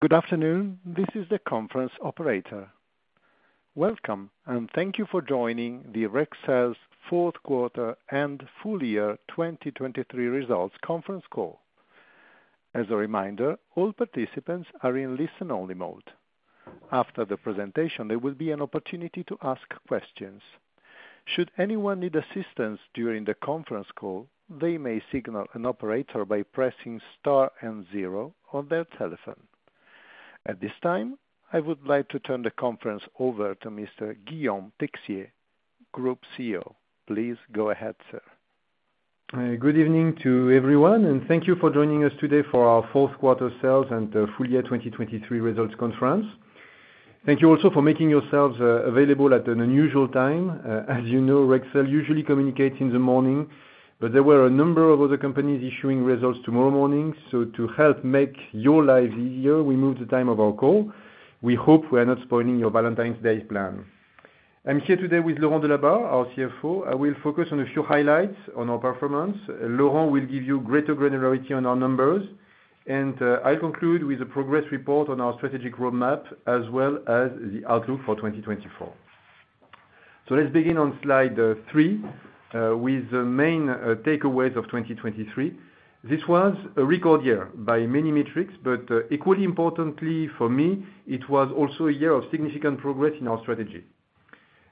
Good afternoon, this is the conference operator. Welcome, and thank you for joining the Rexel's 4th quarter and full year 2023 results conference call. As a reminder, all participants are in listen-only mode. After the presentation there will be an opportunity to ask questions. Should anyone need assistance during the conference call, they may signal an operator by pressing star and 0 on their telephone. At this time, I would like to turn the conference over to Mr. Guillaume Texier, Group CEO. Please go ahead, sir. Good evening to everyone, and thank you for joining us today for our 4th quarter sales and full year 2023 results conference. Thank you also for making yourselves available at an unusual time. As you know, Rexel usually communicates in the morning, but there were a number of other companies issuing results tomorrow morning, so to help make your lives easier we moved the time of our call. We hope we are not spoiling your Valentine's Day plan. I'm here today with Laurent Delabarre, our CFO. I will focus on a few highlights on our performance. Laurent will give you greater granularity on our numbers, and I'll conclude with a progress report on our strategic roadmap as well as the outlook for 2024. Let's begin on slide 3 with the main takeaways of 2023. This was a record year by many metrics, but equally importantly for me, it was also a year of significant progress in our strategy.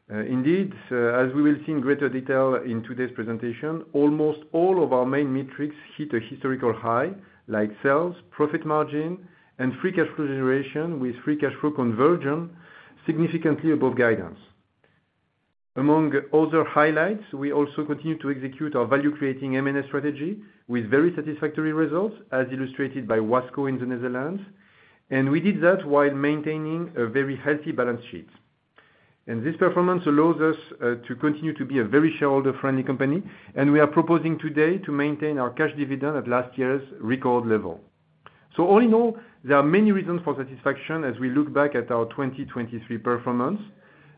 Indeed, as we will see in greater detail in today's presentation, almost all of our main metrics hit a historical high, like sales, profit margin, and free cash flow generation with free cash flow conversion significantly above guidance. Among other highlights, we also continue to execute our value-creating M&A strategy with very satisfactory results, as illustrated by Wasco in the Netherlands, and we did that while maintaining a very healthy balance sheet. This performance allows us to continue to be a very shareholder-friendly company, and we are proposing today to maintain our cash dividend at last year's record level. All in all, there are many reasons for satisfaction as we look back at our 2023 performance.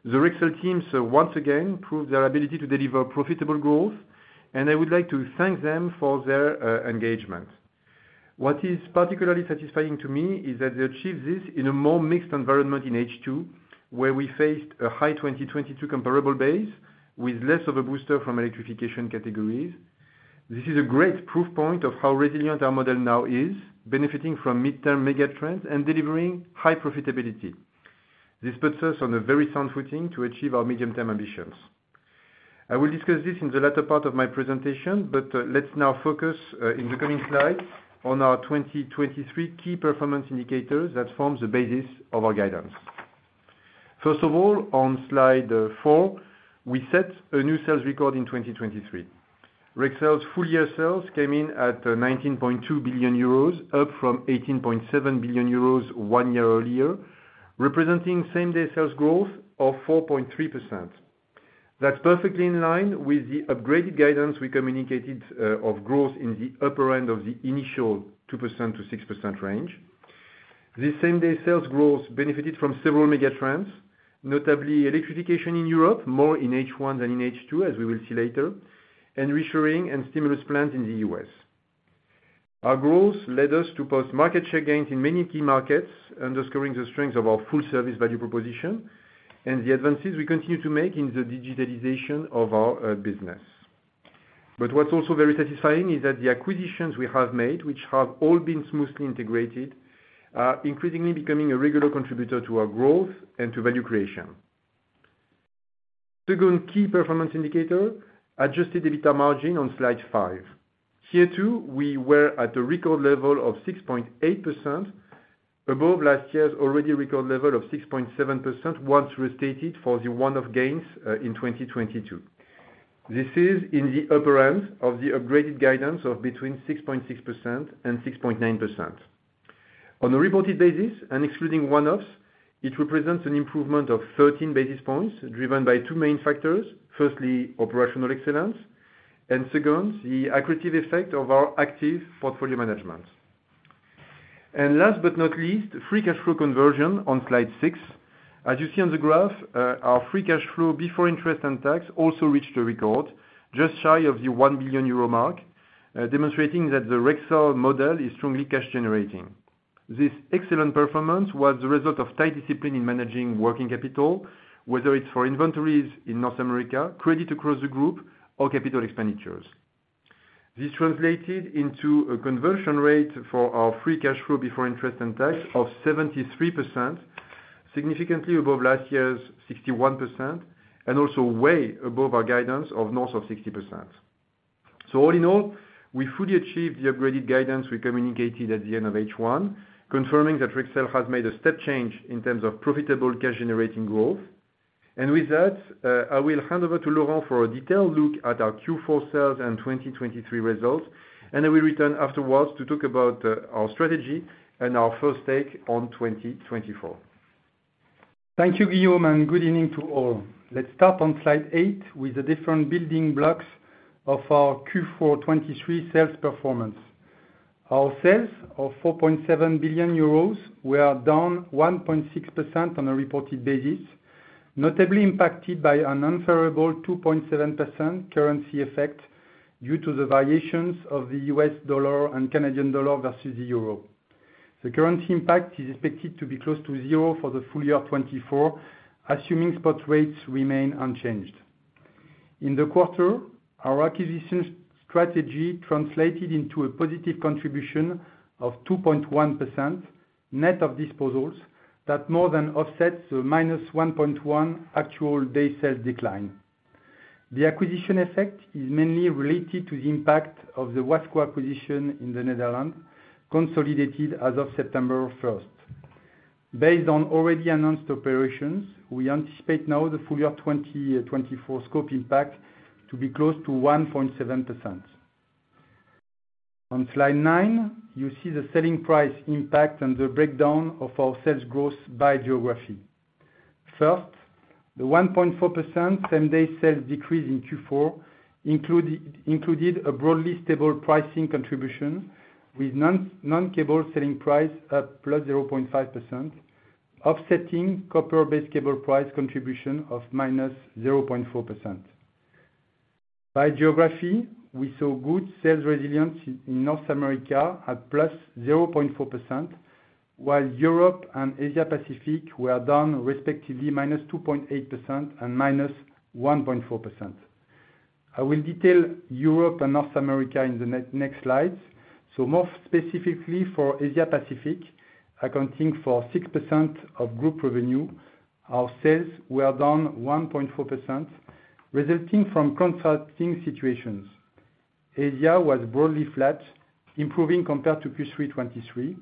The Rexel teams, once again, proved their ability to deliver profitable growth, and I would like to thank them for their engagement. What is particularly satisfying to me is that they achieved this in a more mixed environment in H2, where we faced a high 2022 comparable base with less of a booster from electrification categories. This is a great proof point of how resilient our model now is, benefiting from mid-term megatrends and delivering high profitability. This puts us on a very sound footing to achieve our medium-term ambitions. I will discuss this in the latter part of my presentation, but let's now focus, in the coming slides, on our 2023 key performance indicators that form the basis of our guidance. First of all, on slide 4, we set a new sales record in 2023. Rexel's full year sales came in at 19.2 billion euros, up from 18.7 billion euros one year earlier, representing same-day sales growth of 4.3%. That's perfectly in line with the upgraded guidance we communicated of growth in the upper end of the initial 2%-6% range. This same-day sales growth benefited from several megatrends, notably electrification in Europe, more in H1 than in H2 as we will see later, and reshoring and stimulus plans in the U.S. Our growth led us to post-market share gains in many key markets, underscoring the strengths of our full-service value proposition and the advances we continue to make in the digitalization of our business. But what's also very satisfying is that the acquisitions we have made, which have all been smoothly integrated, are increasingly becoming a regular contributor to our growth and to value creation. Second key performance indicator: adjusted EBITA margin on slide 5. Here too, we were at a record level of 6.8%, above last year's already record level of 6.7% once restated for the one-off gains in 2022. This is in the upper end of the upgraded guidance of between 6.6% and 6.9%. On a reported basis and excluding one-offs, it represents an improvement of 13 basis points driven by two main factors, firstly operational excellence, and secondly the accretive effect of our active portfolio management. And last but not least, free cash flow conversion on slide 6. As you see on the graph, our free cash flow before interest and tax also reached a record, just shy of the 1 billion euro mark, demonstrating that the Rexel model is strongly cash-generating. This excellent performance was the result of tight discipline in managing working capital, whether it's for inventories in North America, credit across the group, or capital expenditures. This translated into a conversion rate for our free cash flow before interest and tax of 73%, significantly above last year's 61%, and also way above our guidance of north of 60%. So all in all, we fully achieved the upgraded guidance we communicated at the end of H1, confirming that Rexel has made a step change in terms of profitable cash-generating growth. And with that, I will hand over to Laurent for a detailed look at our Q4 sales and 2023 results, and I will return afterwards to talk about our strategy and our first take on 2024. Thank you, Guillaume, and good evening to all. Let's start on slide 8 with the different building blocks of our Q4 2023 sales performance. Our sales of 4.7 billion euros were down 1.6% on a reported basis, notably impacted by an unfavorable 2.7% currency effect due to the variations of the US dollar and Canadian dollar versus the euro. The currency impact is expected to be close to zero for the full year 2024, assuming spot rates remain unchanged. In the quarter, our acquisition strategy translated into a positive contribution of 2.1% net of disposals that more than offsets the minus 1.1% actual-day sales decline. The acquisition effect is mainly related to the impact of the Wasco acquisition in the Netherlands, consolidated as of September 1st. Based on already announced operations, we anticipate now the full year 2024 scope impact to be close to 1.7%. On slide 9, you see the selling price impact and the breakdown of our sales growth by geography. First, the 1.4% same-day sales decrease in Q4 included a broadly stable pricing contribution with non-cable selling price up +0.5%, offsetting copper-based cable price contribution of -0.4%. By geography, we saw good sales resilience in North America at +0.4%, while Europe and Asia-Pacific were down respectively -2.8% and -1.4%. I will detail Europe and North America in the next slides. So more specifically for Asia-Pacific, accounting for 6% of group revenue, our sales were down 1.4%, resulting from contrasting situations. Asia was broadly flat, improving compared to Q3 2023.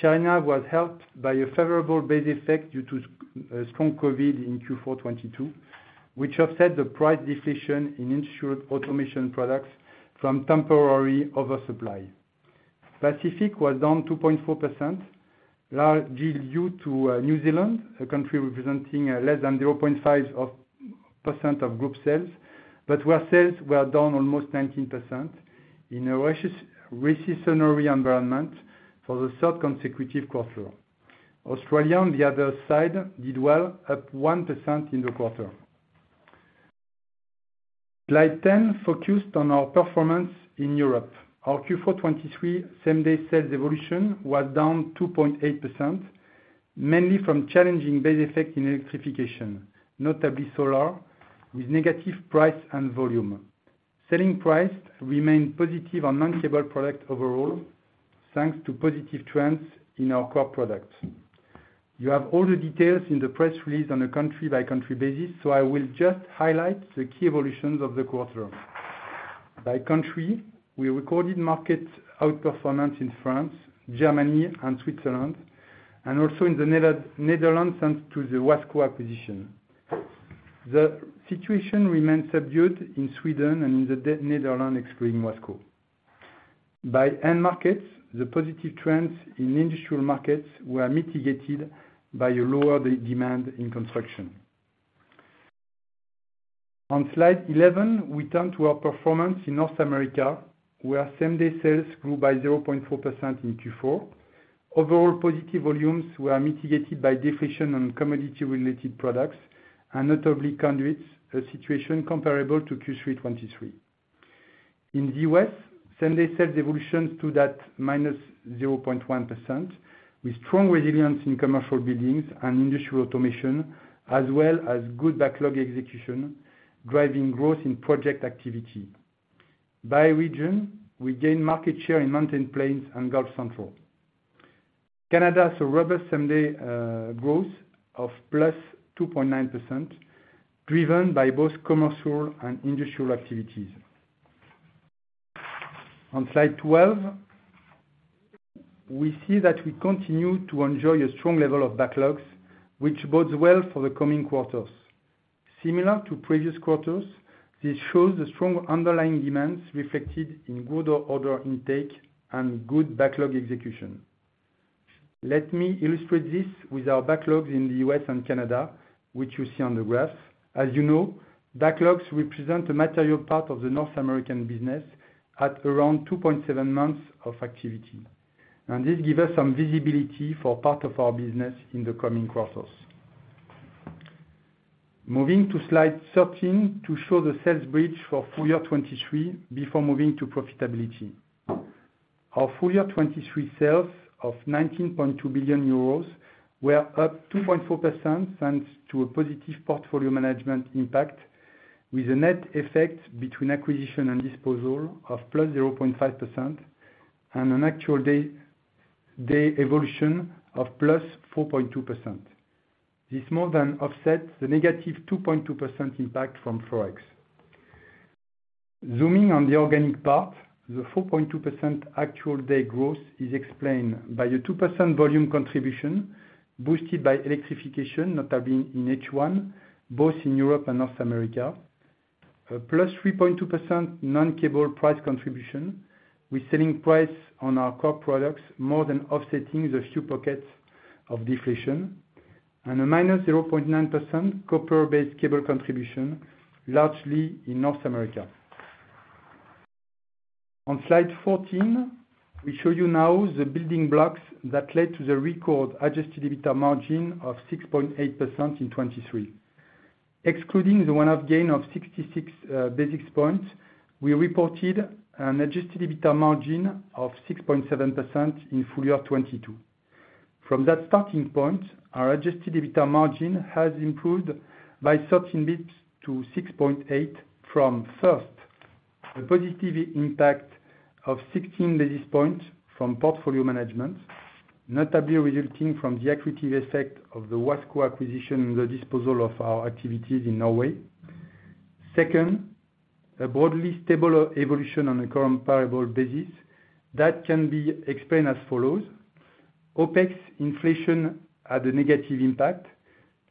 China was helped by a favorable base effect due to strong COVID in Q4 2022, which offset the price deflation in industrial automation products from temporary oversupply. Pacific was down 2.4%, largely due to New Zealand, a country representing less than 0.5% of group sales, but where sales were down almost 19% in a recessionary environment for the third consecutive quarter. Australia, on the other side, did well, up 1% in the quarter. Slide 10 focused on our performance in Europe. Our Q4 2023 same-day sales evolution was down 2.8%, mainly from challenging base effect in electrification, notably solar, with negative price and volume. Selling price remained positive on non-cable products overall, thanks to positive trends in our core products. You have all the details in the press release on a country-by-country basis, so I will just highlight the key evolutions of the quarter. By country, we recorded market outperformance in France, Germany, and Switzerland, and also in the Netherlands thanks to the Wasco acquisition. The situation remained subdued in Sweden and in the Netherlands, excluding Wasco. By end-markets, the positive trends in industrial markets were mitigated by a lower demand in construction. On slide 11, we turn to our performance in North America, where same-day sales grew by 0.4% in Q4. Overall positive volumes were mitigated by deflation on commodity-related products and notably conduits, a situation comparable to Q3 2023. In the U.S., same-day sales evolved to -0.1%, with strong resilience in commercial buildings and industrial automation, as well as good backlog execution, driving growth in project activity. By region, we gained market share in Mountain Plains and Gulf Central. Canada saw robust same-day growth of +2.9%, driven by both commercial and industrial activities. On slide 12, we see that we continue to enjoy a strong level of backlogs, which bodes well for the coming quarters. Similar to previous quarters, this shows the strong underlying demands reflected in greater order intake and good backlog execution. Let me illustrate this with our backlogs in the U.S. and Canada, which you see on the graph. As you know, backlogs represent a material part of the North American business at around 2.7 months of activity. This gives us some visibility for part of our business in the coming quarters. Moving to slide 13 to show the sales bridge for full year 2023 before moving to profitability. Our full year 2023 sales of 19.2 billion euros were up 2.4% thanks to a positive portfolio management impact, with a net effect between acquisition and disposal of +0.5% and an actual day evolution of +4.2%. This more than offsets the negative -2.2% impact from Forex. Zooming on the organic part, the 4.2% actual day growth is explained by a 2% volume contribution boosted by electrification, notably in H1, both in Europe and North America, a plus 3.2% non-cable price contribution with selling price on our core products more than offsetting the few pockets of deflation, and a minus 0.9% copper-based cable contribution, largely in North America. On slide 14, we show you now the building blocks that led to the record adjusted EBITA margin of 6.8% in 2023. Excluding the one-off gain of 66 basis points, we reported an adjusted EBITA margin of 6.7% in full year 2022. From that starting point, our adjusted EBITA margin has improved by 13 basis points to 6.8% from first, a positive impact of 16 basis points from portfolio management, notably resulting from the accretive effect of the Wasco acquisition and the disposal of our activities in Norway. Second, a broadly stable evolution on a comparable basis that can be explained as follows: OpEx inflation had a negative impact,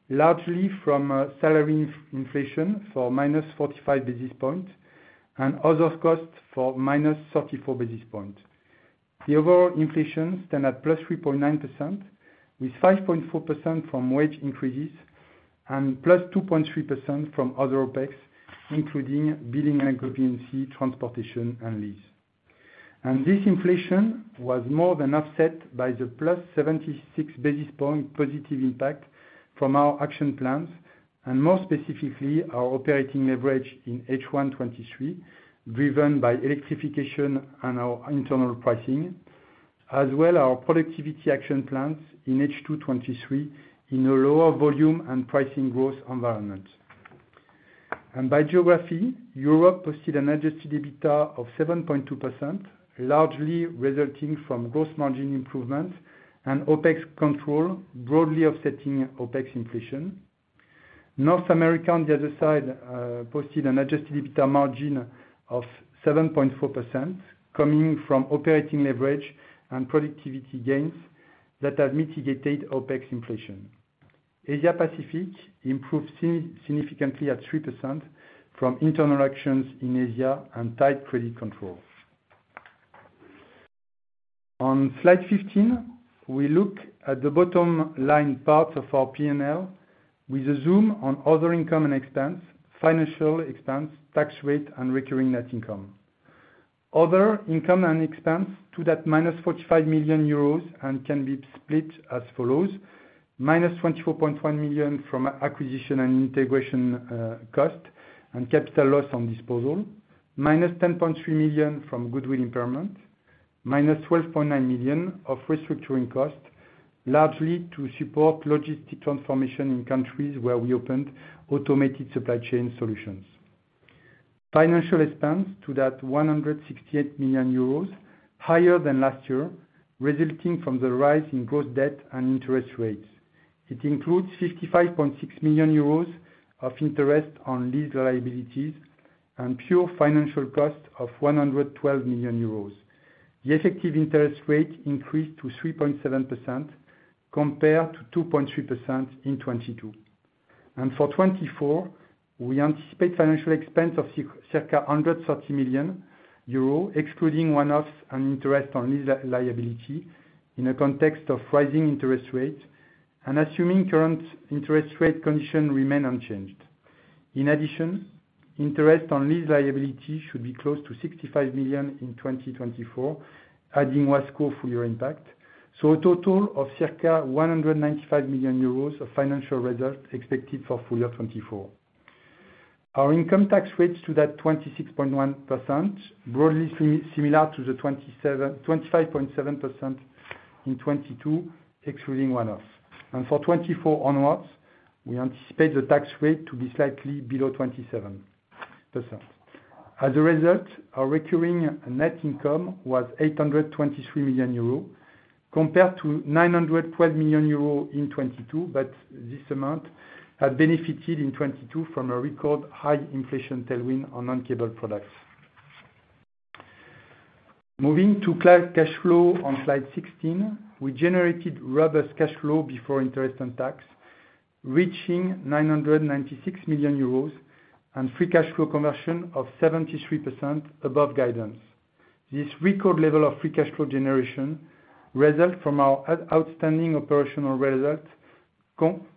largely from salary inflation for -45 basis points and other costs for -34 basis points. The overall inflation stands at +3.9%, with 5.4% from wage increases and +2.3% from other OpEx, including billing and convenience, transportation, and lease. This inflation was more than offset by the +76 basis points positive impact from our action plans, and more specifically our operating leverage in H1 2023, driven by electrification and our internal pricing, as well as our productivity action plans in H2 2023 in a lower volume and pricing growth environment. By geography, Europe posted an adjusted EBITA of 7.2%, largely resulting from gross margin improvement and OpEx control broadly offsetting OpEx inflation. North America, on the other side, posted an adjusted EBITA margin of 7.4%, coming from operating leverage and productivity gains that have mitigated OpEx inflation. Asia-Pacific improved significantly at 3% from internal actions in Asia and tight credit control. On slide 15, we look at the bottom line part of our P&L with a zoom on other income and expense, financial expense, tax rate, and recurring net income. Other income and expense to that -45 million euros and can be split as follows: -24.1 million from acquisition and integration cost and capital loss on disposal, -10.3 million from goodwill impairment, -12.9 million of restructuring cost, largely to support logistics transformation in countries where we opened automated supply chain solutions. Financial expense to that 168 million euros, higher than last year, resulting from the rise in gross debt and interest rates. It includes 55.6 million euros of interest on lease liabilities and pure financial cost of 112 million euros. The effective interest rate increased to 3.7% compared to 2.3% in 2022. For 2024, we anticipate financial expense of circa 130 million euros, excluding one-offs and interest on lease liability in a context of rising interest rates and assuming current interest rate conditions remain unchanged. In addition, interest on lease liability should be close to 65 million in 2024, adding Wasco full year impact, so a total of circa 195 million euros of financial results expected for full year 2024. Our income tax rate is at 26.1%, broadly similar to the 25.7% in 2022, excluding one-offs. For 2024 onwards, we anticipate the tax rate to be slightly below 27%. As a result, our recurring net income was 823 million euro compared to 912 million euro in 2022, but this amount had benefited in 2022 from a record high inflation tailwind on non-cable products. Moving to cash flow on slide 16, we generated robust cash flow before interest and tax, reaching 996 million euros and free cash flow conversion of 73% above guidance. This record level of free cash flow generation resulted from our outstanding operational results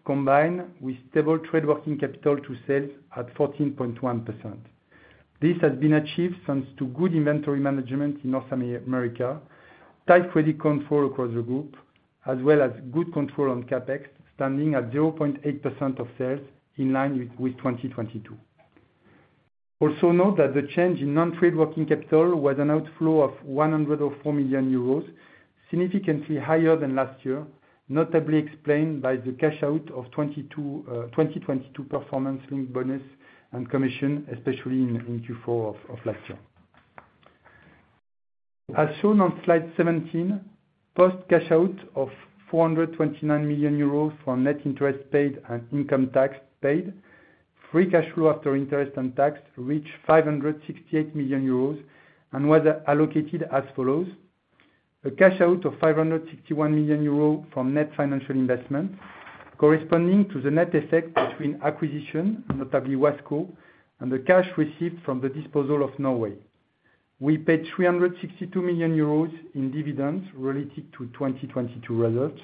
combined with stable trade-working capital to sales at 14.1%. This has been achieved thanks to good inventory management in North America, tight credit control across the group, as well as good control on CapEx, standing at 0.8% of sales in line with 2022. Also note that the change in non-trade-working capital was an outflow of 104 million euros, significantly higher than last year, notably explained by the cash out of 2022 performance-linked bonus and commission, especially in Q4 of last year. As shown on slide 17, post-cash out of 429 million euros from net interest paid and income tax paid, free cash flow after interest and tax reached 568 million euros and was allocated as follows: a cash out of 561 million euros from net financial investment, corresponding to the net effect between acquisition, notably Wasco, and the cash received from the disposal of Norway. We paid 362 million euros in dividends related to 2022 results.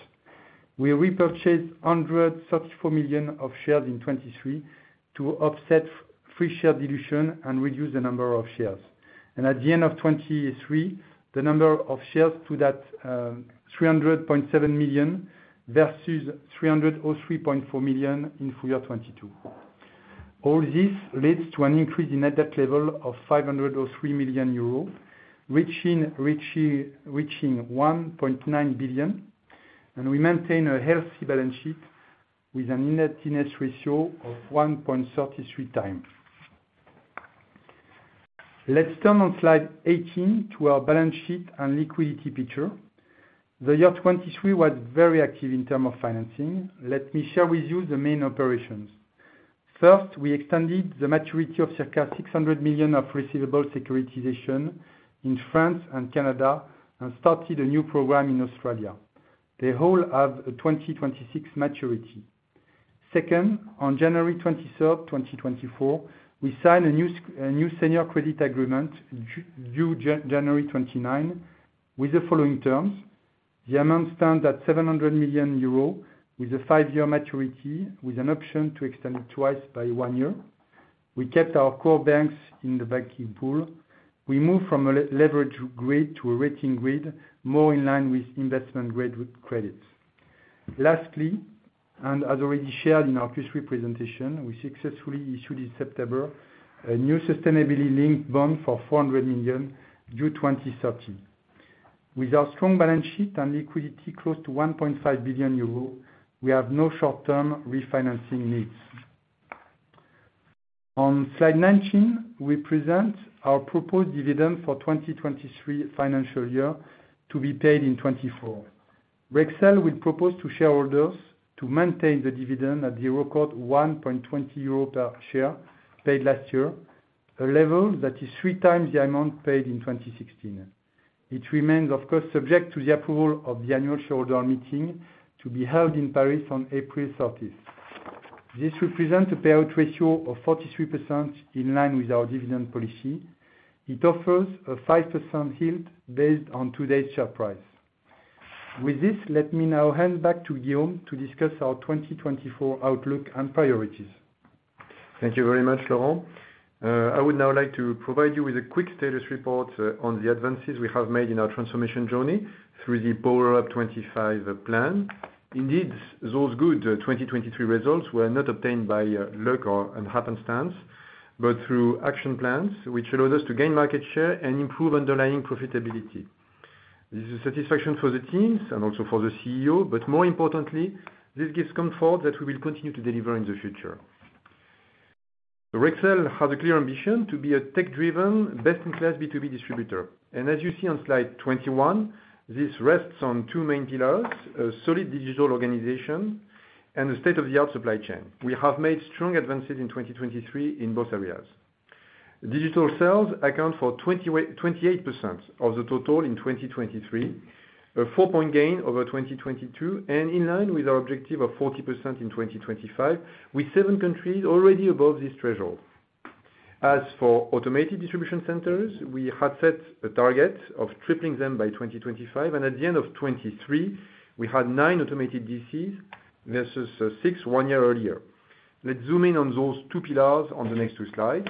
We repurchased 134 million of shares in 2023 to offset free share dilution and reduce the number of shares. At the end of 2023, the number of shares to that 300.7 million versus 303.4 million in full year 2022. All this leads to an increase in net debt level of 503 million euros, reaching 1.9 billion, and we maintain a healthy balance sheet with an indebtedness ratio of 1.33 time. Let's turn to slide 18 to our balance sheet and liquidity picture. The year 2023 was very active in terms of financing. Let me share with you the main operations. First, we extended the maturity of circa 600 million of receivable securitization in France and Canada and started a new program in Australia. They all have a 2026 maturity. Second, on January 23rd, 2024, we signed a new senior credit agreement due January 29 with the following terms: the amount stands at 700 million euros with a 5-year maturity with an option to extend it twice by 1 year. We kept our core banks in the banking pool. We moved from a leverage grade to a rating grade more in line with investment grade credits. Lastly, and as already shared in our Q3 presentation, we successfully issued in September a new sustainability-linked bond for 400 million due 2030. With our strong balance sheet and liquidity close to 1.5 billion euros, we have no short-term refinancing needs. On slide 19, we present our proposed dividend for 2023 financial year to be paid in 2024. Rexel will propose to shareholders to maintain the dividend at the record 1.20 euro per share paid last year, a level that is three times the amount paid in 2016. It remains, of course, subject to the approval of the annual shareholder meeting to be held in Paris on April 30th. This represents a payout ratio of 43% in line with our dividend policy. It offers a 5% yield based on today's share price. With this, let me now hand back to Guillaume to discuss our 2024 outlook and priorities. Thank you very much, Laurent. I would now like to provide you with a quick status report on the advances we have made in our transformation journey through the Power Up 2025 plan. Indeed, those good 2023 results were not obtained by luck or happenstance, but through action plans, which allowed us to gain market share and improve underlying profitability. This is a satisfaction for the teams and also for the CEO, but more importantly, this gives comfort that we will continue to deliver in the future. Rexel has a clear ambition to be a tech-driven, best-in-class B2B distributor. As you see on slide 21, this rests on two main pillars: a solid digital organization and a state-of-the-art supply chain. We have made strong advances in 2023 in both areas. Digital sales account for 28% of the total in 2023, a 4-point gain over 2022, and in line with our objective of 40% in 2025 with 7 countries already above this threshold. As for automated distribution centers, we had set a target of tripling them by 2025, and at the end of 2023, we had 9 automated DCs versus 6 one year earlier. Let's zoom in on those two pillars on the next two slides.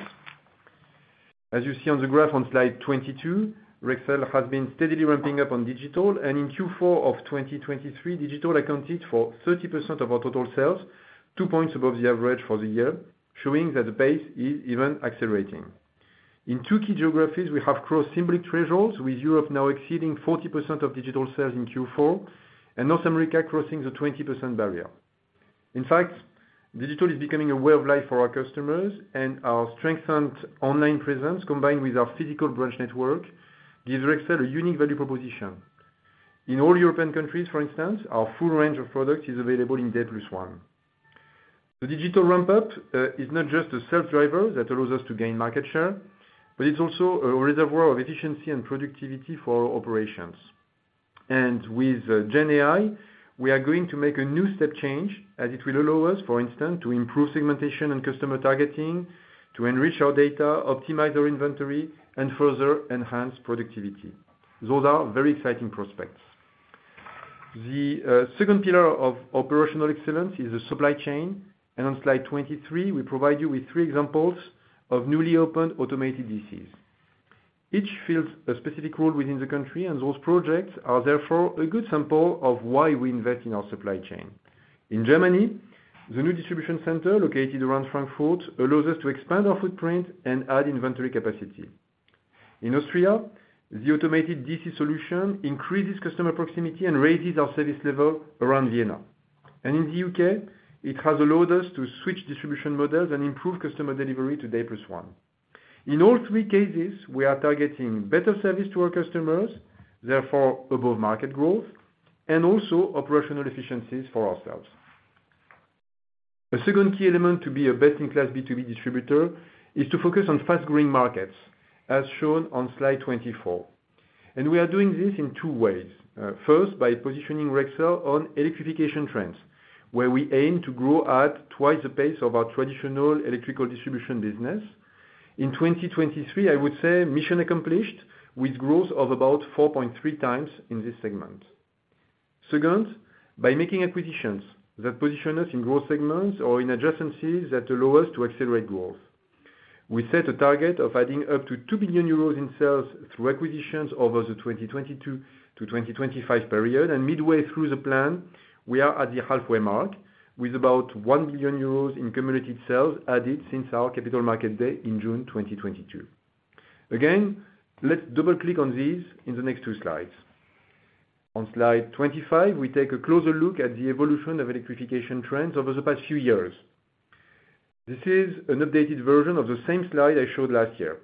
As you see on the graph on slide 22, Rexel has been steadily ramping up on digital, and in Q4 of 2023, digital accounted for 30% of our total sales, 2 points above the average for the year, showing that the pace is even accelerating. In two key geographies, we have crossed symbolic thresholds with Europe now exceeding 40% of digital sales in Q4 and North America crossing the 20% barrier. In fact, digital is becoming a way of life for our customers, and our strengthened online presence combined with our physical branch network gives Rexel a unique value proposition. In all European countries, for instance, our full range of products is available in D+1. The digital ramp-up is not just a self-driver that allows us to gain market share, but it's also a reservoir of efficiency and productivity for our operations. And with GenAI, we are going to make a new step change as it will allow us, for instance, to improve segmentation and customer targeting, to enrich our data, optimize our inventory, and further enhance productivity. Those are very exciting prospects. The second pillar of operational excellence is the supply chain, and on slide 23, we provide you with three examples of newly opened automated DCs. Each fills a specific role within the country, and those projects are therefore a good sample of why we invest in our supply chain. In Germany, the new distribution center located around Frankfurt allows us to expand our footprint and add inventory capacity. In Austria, the automated DC solution increases customer proximity and raises our service level around Vienna. In the UK, it has allowed us to switch distribution models and improve customer delivery to D+1. In all three cases, we are targeting better service to our customers, therefore above market growth, and also operational efficiencies for ourselves. A second key element to be a best-in-class B2B distributor is to focus on fast-growing markets, as shown on slide 24. We are doing this in two ways. First, by positioning Rexel on electrification trends, where we aim to grow at twice the pace of our traditional electrical distribution business. In 2023, I would say mission accomplished with growth of about 4.3 times in this segment. Second, by making acquisitions that position us in growth segments or in adjacencies that allow us to accelerate growth. We set a target of adding up to 2 billion euros in sales through acquisitions over the 2022 to 2025 period, and midway through the plan, we are at the halfway mark with about 1 billion euros in cumulative sales added since our Capital Markets Day in June 2022. Again, let's double-click on these in the next two slides. On slide 25, we take a closer look at the evolution of electrification trends over the past few years. This is an updated version of the same slide I showed last year.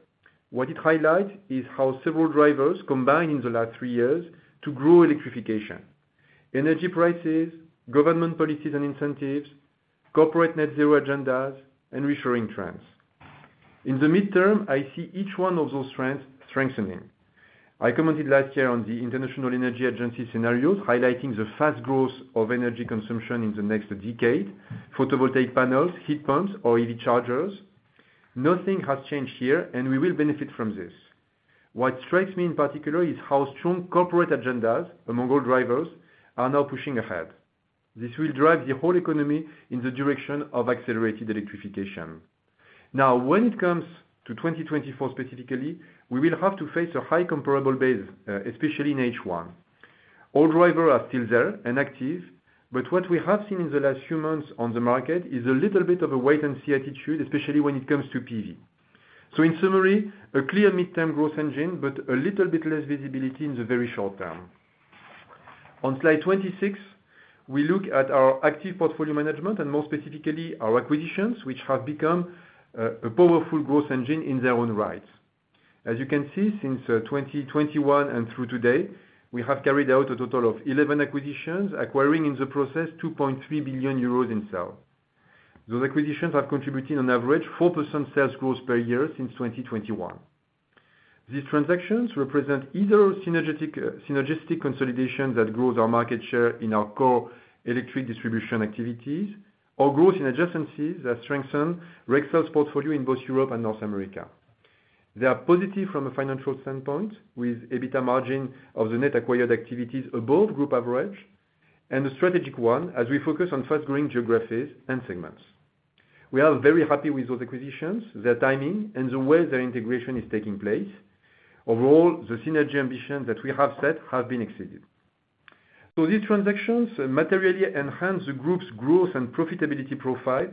What it highlights is how several drivers combined in the last three years to grow electrification: energy prices, government policies and incentives, corporate net-zero agendas, and reshoring trends. In the midterm, I see each one of those trends strengthening. I commented last year on the International Energy Agency scenarios, highlighting the fast growth of energy consumption in the next decade: photovoltaic panels, heat pumps, or EV chargers. Nothing has changed here, and we will benefit from this. What strikes me in particular is how strong corporate agendas among all drivers are now pushing ahead. This will drive the whole economy in the direction of accelerated electrification. Now, when it comes to 2024 specifically, we will have to face a high comparable base, especially in H1. All drivers are still there and active, but what we have seen in the last few months on the market is a little bit of a wait-and-see attitude, especially when it comes to PV. So in summary, a clear midterm growth engine, but a little bit less visibility in the very short term. On slide 26, we look at our active portfolio management and more specifically our acquisitions, which have become a powerful growth engine in their own right. As you can see, since 2021 and through today, we have carried out a total of 11 acquisitions, acquiring in the process 2.3 billion euros in sales. Those acquisitions have contributed on average 4% sales growth per year since 2021. These transactions represent either synergistic consolidations that grow our market share in our core electric distribution activities or growth in adjacencies that strengthen Rexel's portfolio in both Europe and North America. They are positive from a financial standpoint, with EBITDA margin of the net acquired activities above group average, and a strategic one as we focus on fast-growing geographies and segments. We are very happy with those acquisitions, their timing, and the way their integration is taking place. Overall, the synergy ambitions that we have set have been exceeded. So these transactions materially enhance the group's growth and profitability profile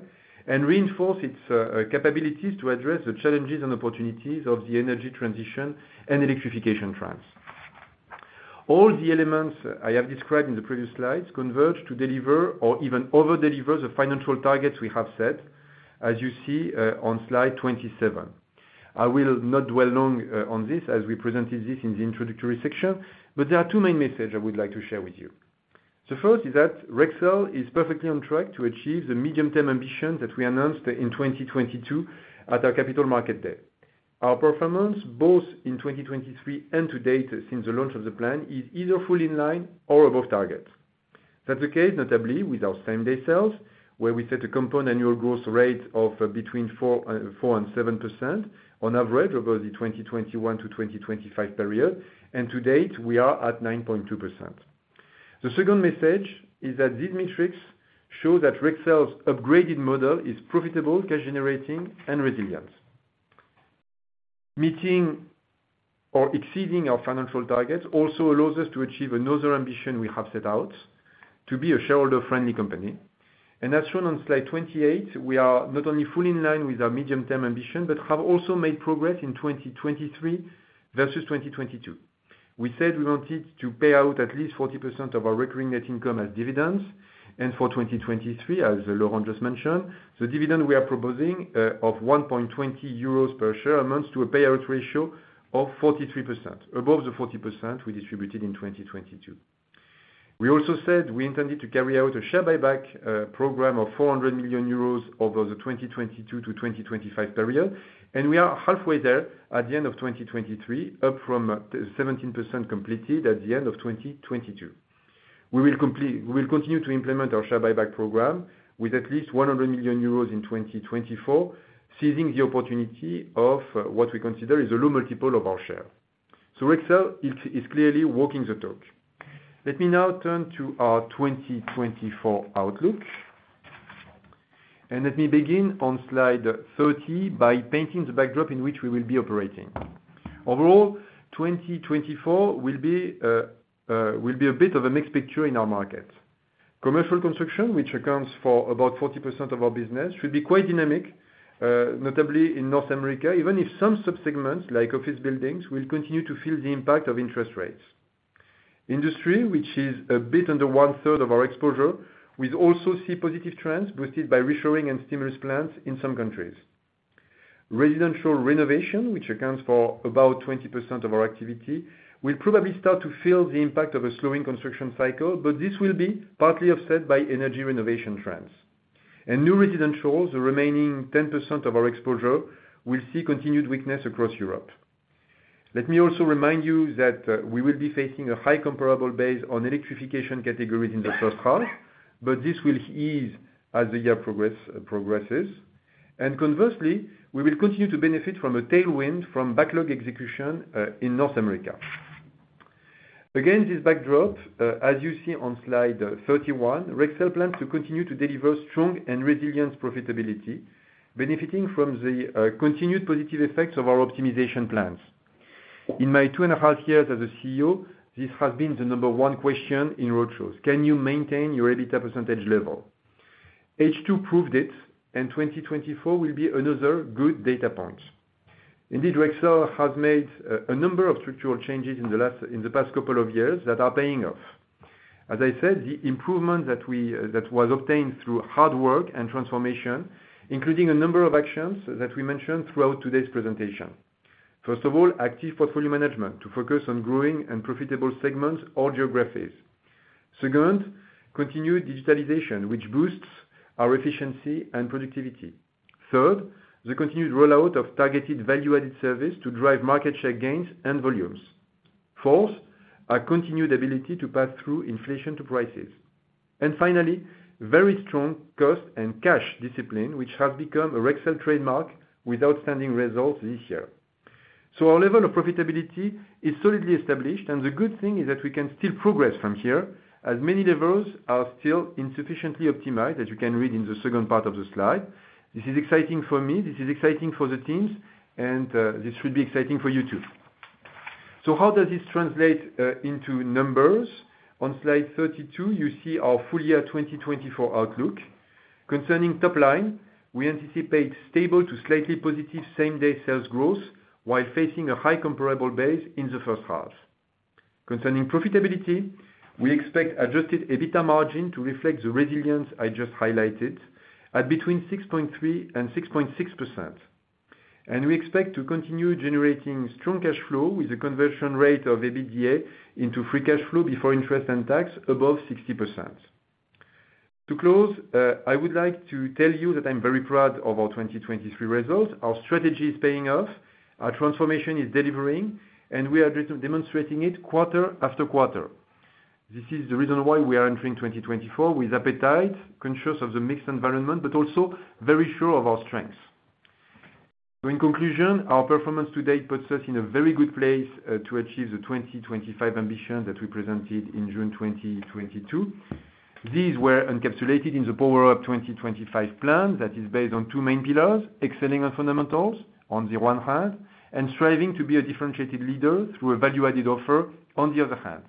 and reinforce its capabilities to address the challenges and opportunities of the energy transition and electrification trends. All the elements I have described in the previous slides converge to deliver or even overdeliver the financial targets we have set, as you see on slide 27. I will not dwell long on this as we presented this in the introductory section, but there are two main messages I would like to share with you. The first is that Rexel is perfectly on track to achieve the medium-term ambitions that we announced in 2022 at our capital market day. Our performance, both in 2023 and to date since the launch of the plan, is either fully in line or above target. That's the case, notably, with our same-day sales, where we set a compound annual growth rate of between 4%-7% on average over the 2021-2025 period, and to date, we are at 9.2%. The second message is that this metrics show that Rexel's upgraded model is profitable, cash-generating, and resilient. Meeting or exceeding our financial targets also allows us to achieve another ambition we have set out: to be a shareholder-friendly company. As shown on slide 28, we are not only fully in line with our medium-term ambition but have also made progress in 2023 versus 2022. We said we wanted to pay out at least 40% of our recurring net income as dividends, and for 2023, as Laurent just mentioned, the dividend we are proposing of 1.20 euros per share amounts to a payout ratio of 43%, above the 40% we distributed in 2022. We also said we intended to carry out a share buyback program of 400 million euros over the 2022 to 2025 period, and we are halfway there at the end of 2023, up from 17% completed at the end of 2022. We will continue to implement our share buyback program with at least 100 million euros in 2024, seizing the opportunity of what we consider is a low multiple of our share. So Rexel is clearly walking the talk. Let me now turn to our 2024 outlook. Let me begin on slide 30 by painting the backdrop in which we will be operating. Overall, 2024 will be a bit of a mixed picture in our market. Commercial construction, which accounts for about 40% of our business, should be quite dynamic, notably in North America, even if some subsegments like office buildings will continue to feel the impact of interest rates. Industry, which is a bit under one-third of our exposure, will also see positive trends boosted by reshoring and stimulus plans in some countries. Residential renovation, which accounts for about 20% of our activity, will probably start to feel the impact of a slowing construction cycle, but this will be partly offset by energy renovation trends. New residentials, the remaining 10% of our exposure, will see continued weakness across Europe. Let me also remind you that we will be facing a high comparable base on electrification categories in the first half, but this will ease as the year progresses. Conversely, we will continue to benefit from a tailwind from backlog execution in North America. Again, this backdrop, as you see on slide 31, Rexel plans to continue to deliver strong and resilient profitability, benefiting from the continued positive effects of our optimization plans. In my 2.5 years as a CEO, this has been the number one question in roadshows: can you maintain your EBITDA percentage level? H2 proved it, and 2024 will be another good data point. Indeed, Rexel has made a number of structural changes in the past couple of years that are paying off. As I said, the improvement that was obtained through hard work and transformation, including a number of actions that we mentioned throughout today's presentation. First of all, active portfolio management to focus on growing and profitable segments or geographies. Second, continued digitalization, which boosts our efficiency and productivity. Third, the continued rollout of targeted value-added service to drive market share gains and volumes. Fourth, our continued ability to pass through inflation to prices. And finally, very strong cost and cash discipline, which has become a Rexel trademark with outstanding results this year. So our level of profitability is solidly established, and the good thing is that we can still progress from here as many levels are still insufficiently optimized, as you can read in the second part of the slide. This is exciting for me. This is exciting for the teams, and this should be exciting for you too. So how does this translate into numbers? On slide 32, you see our full year 2024 outlook. Concerning top line, we anticipate stable to slightly positive same-day sales growth while facing a high comparable base in the first half. Concerning profitability, we expect adjusted EBITDA margin to reflect the resilience I just highlighted at between 6.3% and 6.6%. And we expect to continue generating strong cash flow with a conversion rate of EBITDA into free cash flow before interest and tax above 60%. To close, I would like to tell you that I'm very proud of our 2023 results. Our strategy is paying off. Our transformation is delivering, and we are demonstrating it quarter after quarter. This is the reason why we are entering 2024 with appetite, conscious of the mixed environment, but also very sure of our strengths. So in conclusion, our performance to date puts us in a very good place to achieve the 2025 ambitions that we presented in June 2022. These were encapsulated in the Power Up 2025 plan that is based on two main pillars: excelling on fundamentals on the one hand and striving to be a differentiated leader through a value-added offer on the other hand.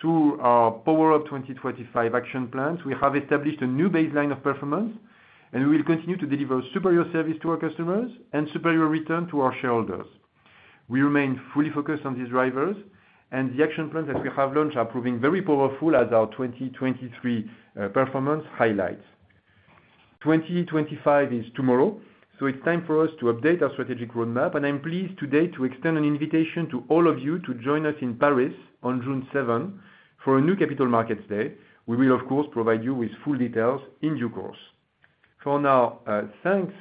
Through our Power Up 2025 action plans, we have established a new baseline of performance, and we will continue to deliver superior service to our customers and superior return to our shareholders. We remain fully focused on these drivers, and the action plans that we have launched are proving very powerful as our 2023 performance highlights. 2025 is tomorrow, so it's time for us to update our strategic roadmap, and I'm pleased today to extend an invitation to all of you to join us in Paris on June 7th for a new capital markets day. We will, of course, provide you with full details in due course. For now, thanks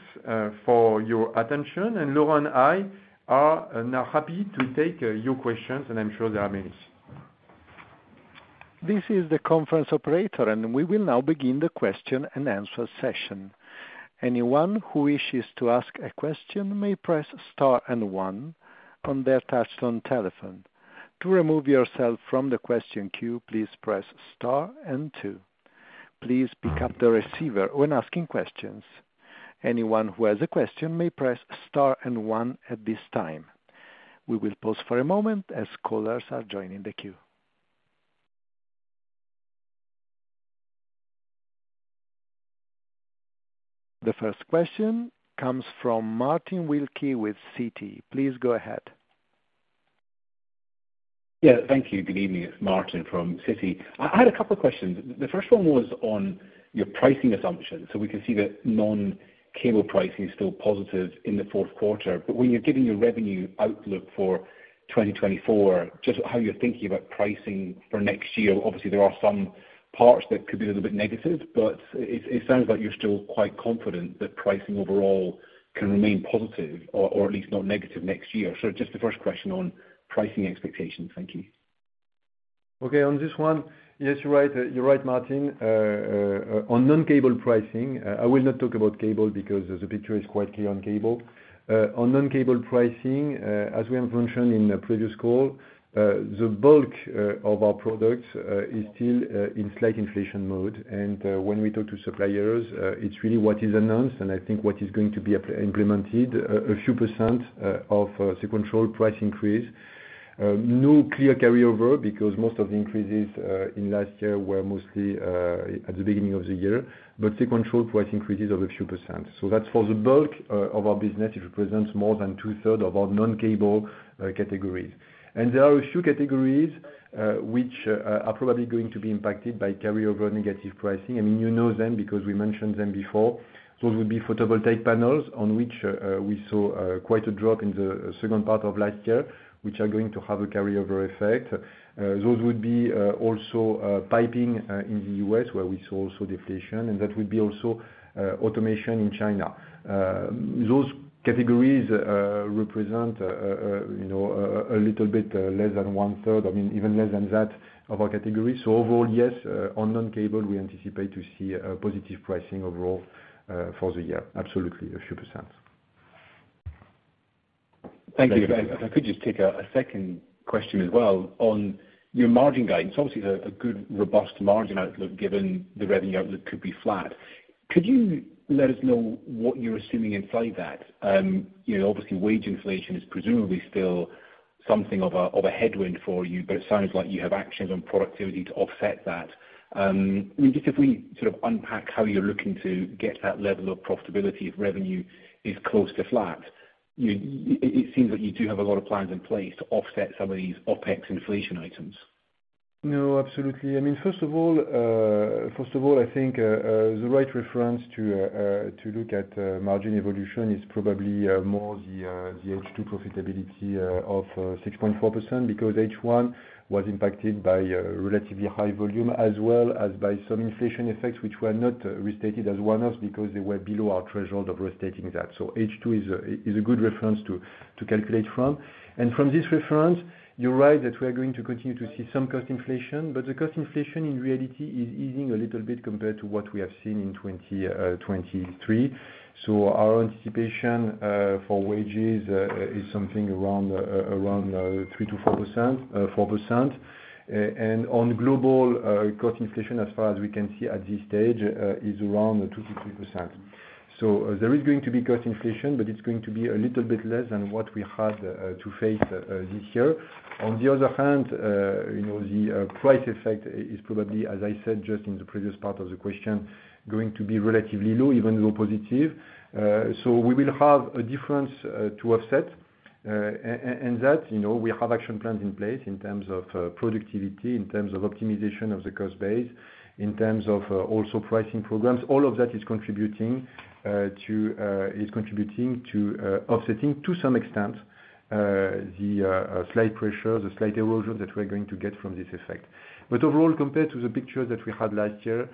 for your attention, and Laurent and I are now happy to take your questions, and I'm sure there are many. This is the conference operator, and we will now begin the question-and-answer session. Anyone who wishes to ask a question may press star and one on their touch-tone telephone. To remove yourself from the question queue, please press star and two. Please pick up the receiver when asking questions. Anyone who has a question may press star and one at this time. We will pause for a moment as callers are joining the queue. The first question comes from Martin Wilkie with Citi. Please go ahead. Yeah, thank you. Good evening. It's Martin from Citi. I had a couple of questions. The first one was on your pricing assumptions. So we can see that non-cable pricing is still positive in the fourth quarter. But when you're giving your revenue outlook for 2024, just how you're thinking about pricing for next year, obviously, there are some parts that could be a little bit negative, but it sounds like you're still quite confident that pricing overall can remain positive or at least not negative next year. So just the first question on pricing expectations. Thank you. Okay, on this one, yes, you're right. You're right, Martin. On non-cable pricing, I will not talk about cable because the picture is quite clear on cable. On non-cable pricing, as we have mentioned in a previous call, the bulk of our products is still in slight inflation mode. When we talk to suppliers, it's really what is announced, and I think what is going to be implemented, a few percent of sequential price increase. No clear carryover because most of the increases in last year were mostly at the beginning of the year, but sequential price increases of a few percent. That's for the bulk of our business. It represents more than two-thirds of our non-cable categories. There are a few categories which are probably going to be impacted by carryover negative pricing. I mean, you know them because we mentioned them before. Those would be photovoltaic panels on which we saw quite a drop in the second part of last year, which are going to have a carryover effect. Those would be also piping in the U.S. where we saw also deflation, and that would be also automation in China. Those categories represent a little bit less than one-third, I mean, even less than that of our categories. So overall, yes, on non-cable, we anticipate to see positive pricing overall for the year, absolutely a few %. Thank you. If I could just take a second question as well on your margin guidance. Obviously, it's a good, robust margin outlook given the revenue outlook could be flat. Could you let us know what you're assuming inside that? Obviously, wage inflation is presumably still something of a headwind for you, but it sounds like you have actions on productivity to offset that. I mean, just if we sort of unpack how you're looking to get that level of profitability if revenue is close to flat, it seems like you do have a lot of plans in place to offset some of these OpEx inflation items. No, absolutely. I mean, first of all, I think the right reference to look at margin evolution is probably more the H2 profitability of 6.4% because H1 was impacted by relatively high volume as well as by some inflation effects which were not restated as one-off because they were below our threshold of restating that. So H2 is a good reference to calculate from. From this reference, you're right that we are going to continue to see some cost inflation, but the cost inflation, in reality, is easing a little bit compared to what we have seen in 2023. So our anticipation for wages is something around 3%-4%. And on global cost inflation, as far as we can see at this stage, is around 2%-3%. So there is going to be cost inflation, but it's going to be a little bit less than what we had to face this year. On the other hand, the price effect is probably, as I said just in the previous part of the question, going to be relatively low, even though positive. So we will have a difference to offset. And that, we have action plans in place in terms of productivity, in terms of optimization of the cost base, in terms of also pricing programs. All of that is contributing to offsetting, to some extent, the slight pressure, the slight erosion that we are going to get from this effect. But overall, compared to the pictures that we had last year,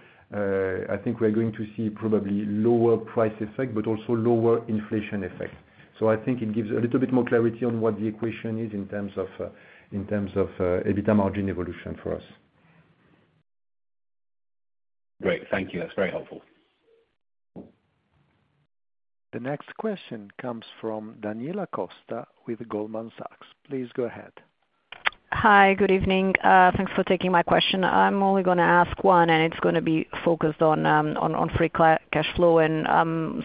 I think we are going to see probably lower price effect but also lower inflation effect. So I think it gives a little bit more clarity on what the equation is in terms of EBITDA margin evolution for us. Great. Thank you. That's very helpful. The next question comes from Daniela Costa with Goldman Sachs. Please go ahead. Hi. Good evening. Thanks for taking my question. I'm only going to ask one, and it's going to be focused on free cash flow. And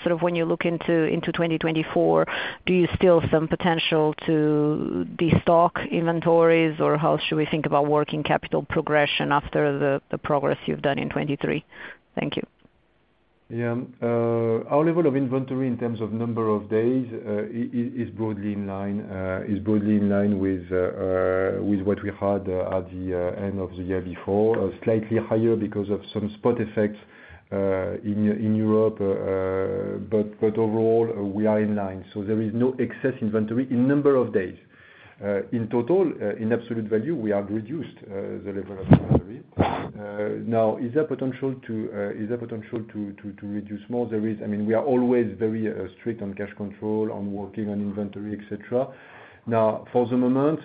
sort of when you look into 2024, do you still see some potential to destock inventories, or how should we think about working capital progression after the progress you've done in 2023? Thank you. Yeah. Our level of inventory in terms of number of days is broadly in line with what we had at the end of the year before, slightly higher because of some spot effects in Europe. But overall, we are in line. So there is no excess inventory in number of days. In total, in absolute value, we have reduced the level of inventory. Now, is there potential to reduce more? I mean, we are always very strict on cash control, on working on inventory, etc. Now, for the moment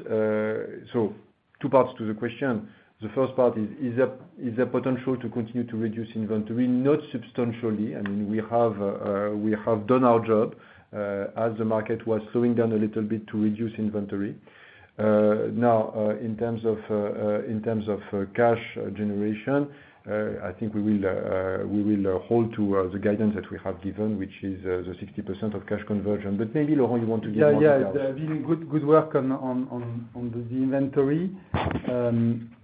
so two parts to the question. The first part is, is there potential to continue to reduce inventory, not substantially? I mean, we have done our job as the market was slowing down a little bit to reduce inventory. Now, in terms of cash generation, I think we will hold to the guidance that we have given, which is the 60% cash conversion. But maybe, Laurent, you want to give one more guidance. Yeah, yeah. There has been good work on the inventory.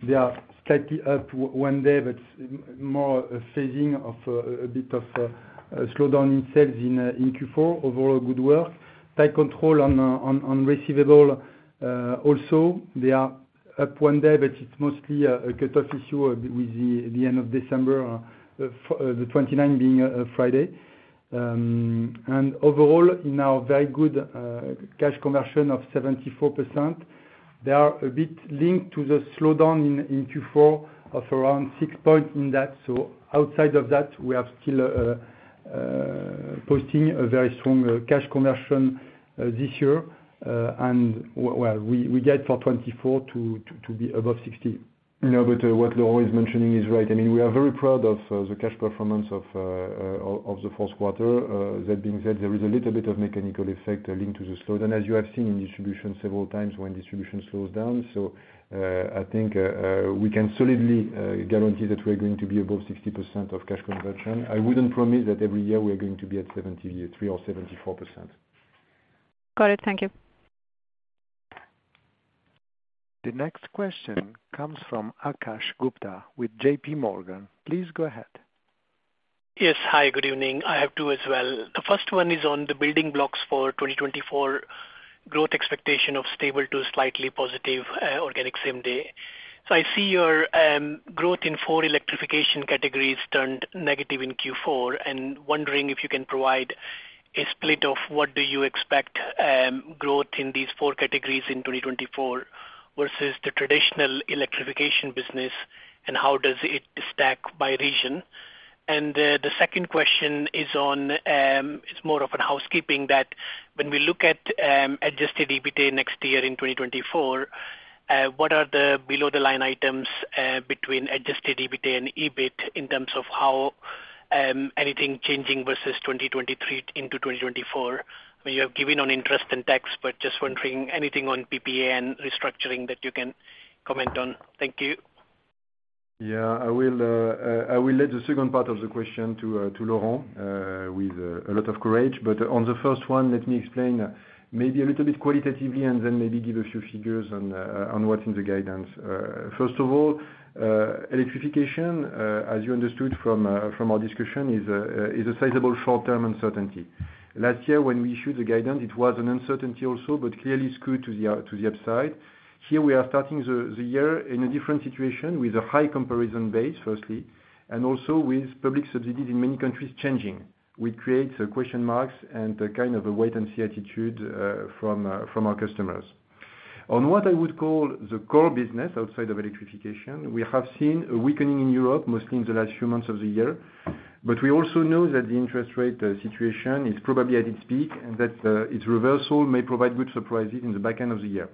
They are slightly up one day, but more phasing of a bit of slowdown in sales in Q4. Overall, good work. Tight control on receivable also. They are up one day, but it's mostly a cutoff issue with the end of December, the 29 being Friday. And overall, in our very good cash conversion of 74%, they are a bit linked to the slowdown in Q4 of around 6 points in that. So outside of that, we are still posting a very strong cash conversion this year. And well, we get for 2024 to be above 60%. No, but what Laurent is mentioning is right. I mean, we are very proud of the cash performance of the fourth quarter. That being said, there is a little bit of mechanical effect linked to the slowdown, as you have seen in distribution several times when distribution slows down. So I think we can solidly guarantee that we are going to be above 60% of cash conversion. I wouldn't promise that every year we are going to be at 73% or 74%. Got it. Thank you. The next question comes from Akash Gupta with JPMorgan. Please go ahead. Yes. Hi. Good evening. I have two as well. The first one is on the building blocks for 2024 growth expectation of stable to slightly positive organic same-day. So I see your growth in four electrification categories turned negative in Q4 and wondering if you can provide a split of what do you expect growth in these four categories in 2024 versus the traditional electrification business, and how does it stack by region? And the second question is more of housekeeping, that when we look at adjusted EBITDA next year in 2024, what are the below-the-line items between adjusted EBITDA and EBIT in terms of anything changing versus 2023 into 2024? I mean, you have given on interest and tax, but just wondering anything on PPA and restructuring that you can comment on. Thank you. Yeah. I will let the second part of the question to Laurent with a lot of courage. But on the first one, let me explain maybe a little bit qualitatively and then maybe give a few figures on what's in the guidance. First of all, electrification, as you understood from our discussion, is a sizable short-term uncertainty. Last year, when we issued the guidance, it was an uncertainty also, but clearly skewed to the upside. Here, we are starting the year in a different situation with a high comparison base, firstly, and also with public subsidies in many countries changing, which creates question marks and kind of a wait-and-see attitude from our customers. On what I would call the core business outside of electrification, we have seen a weakening in Europe, mostly in the last few months of the year. But we also know that the interest rate situation is probably at its peak, and that its reversal may provide good surprises in the back end of the year.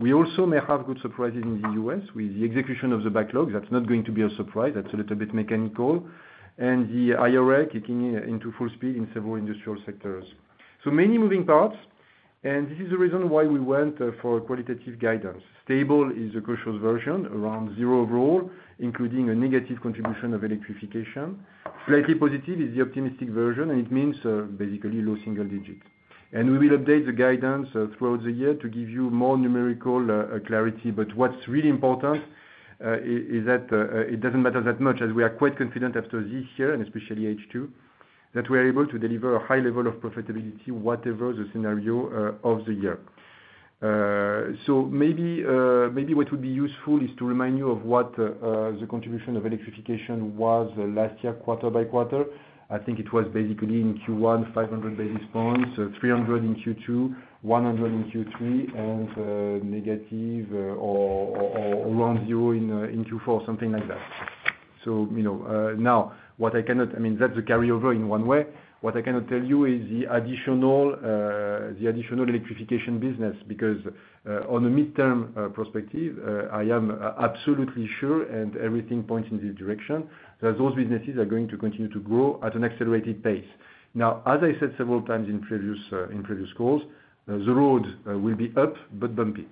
We also may have good surprises in the U.S. with the execution of the backlog. That's not going to be a surprise. That's a little bit mechanical, and the IRA kicking into full speed in several industrial sectors. So many moving parts. This is the reason why we went for qualitative guidance. Stable is the cautious version, around zero overall, including a negative contribution of electrification. Slightly positive is the optimistic version, and it means basically low single digits. We will update the guidance throughout the year to give you more numerical clarity. But what's really important is that it doesn't matter that much, as we are quite confident after this year, and especially H2, that we are able to deliver a high level of profitability whatever the scenario of the year. So maybe what would be useful is to remind you of what the contribution of electrification was last year quarter by quarter. I think it was basically in Q1, 500 basis points, 300 in Q2, 100 in Q3, and negative or around zero in Q4, something like that. So now, what I cannot, I mean, that's a carryover in one way. What I cannot tell you is the additional electrification business because on a mid-term perspective, I am absolutely sure, and everything points in this direction, that those businesses are going to continue to grow at an accelerated pace. Now, as I said several times in previous calls, the road will be up but bumpy.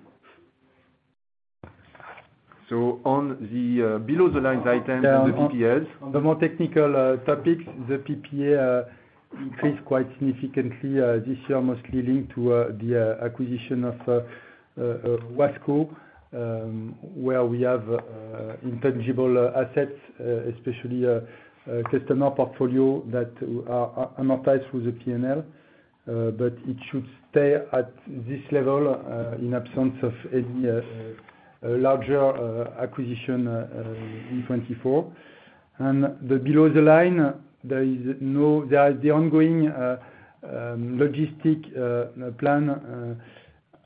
So on the below-the-line items and the PPAs. Yeah. On the more technical topics, the PPA increased quite significantly this year, mostly linked to the acquisition of Wasco, where we have intangible assets, especially customer portfolio that are amortized through the P&L. But it should stay at this level in absence of any larger acquisition in 2024. And the below-the-line, there is the ongoing logistic plan,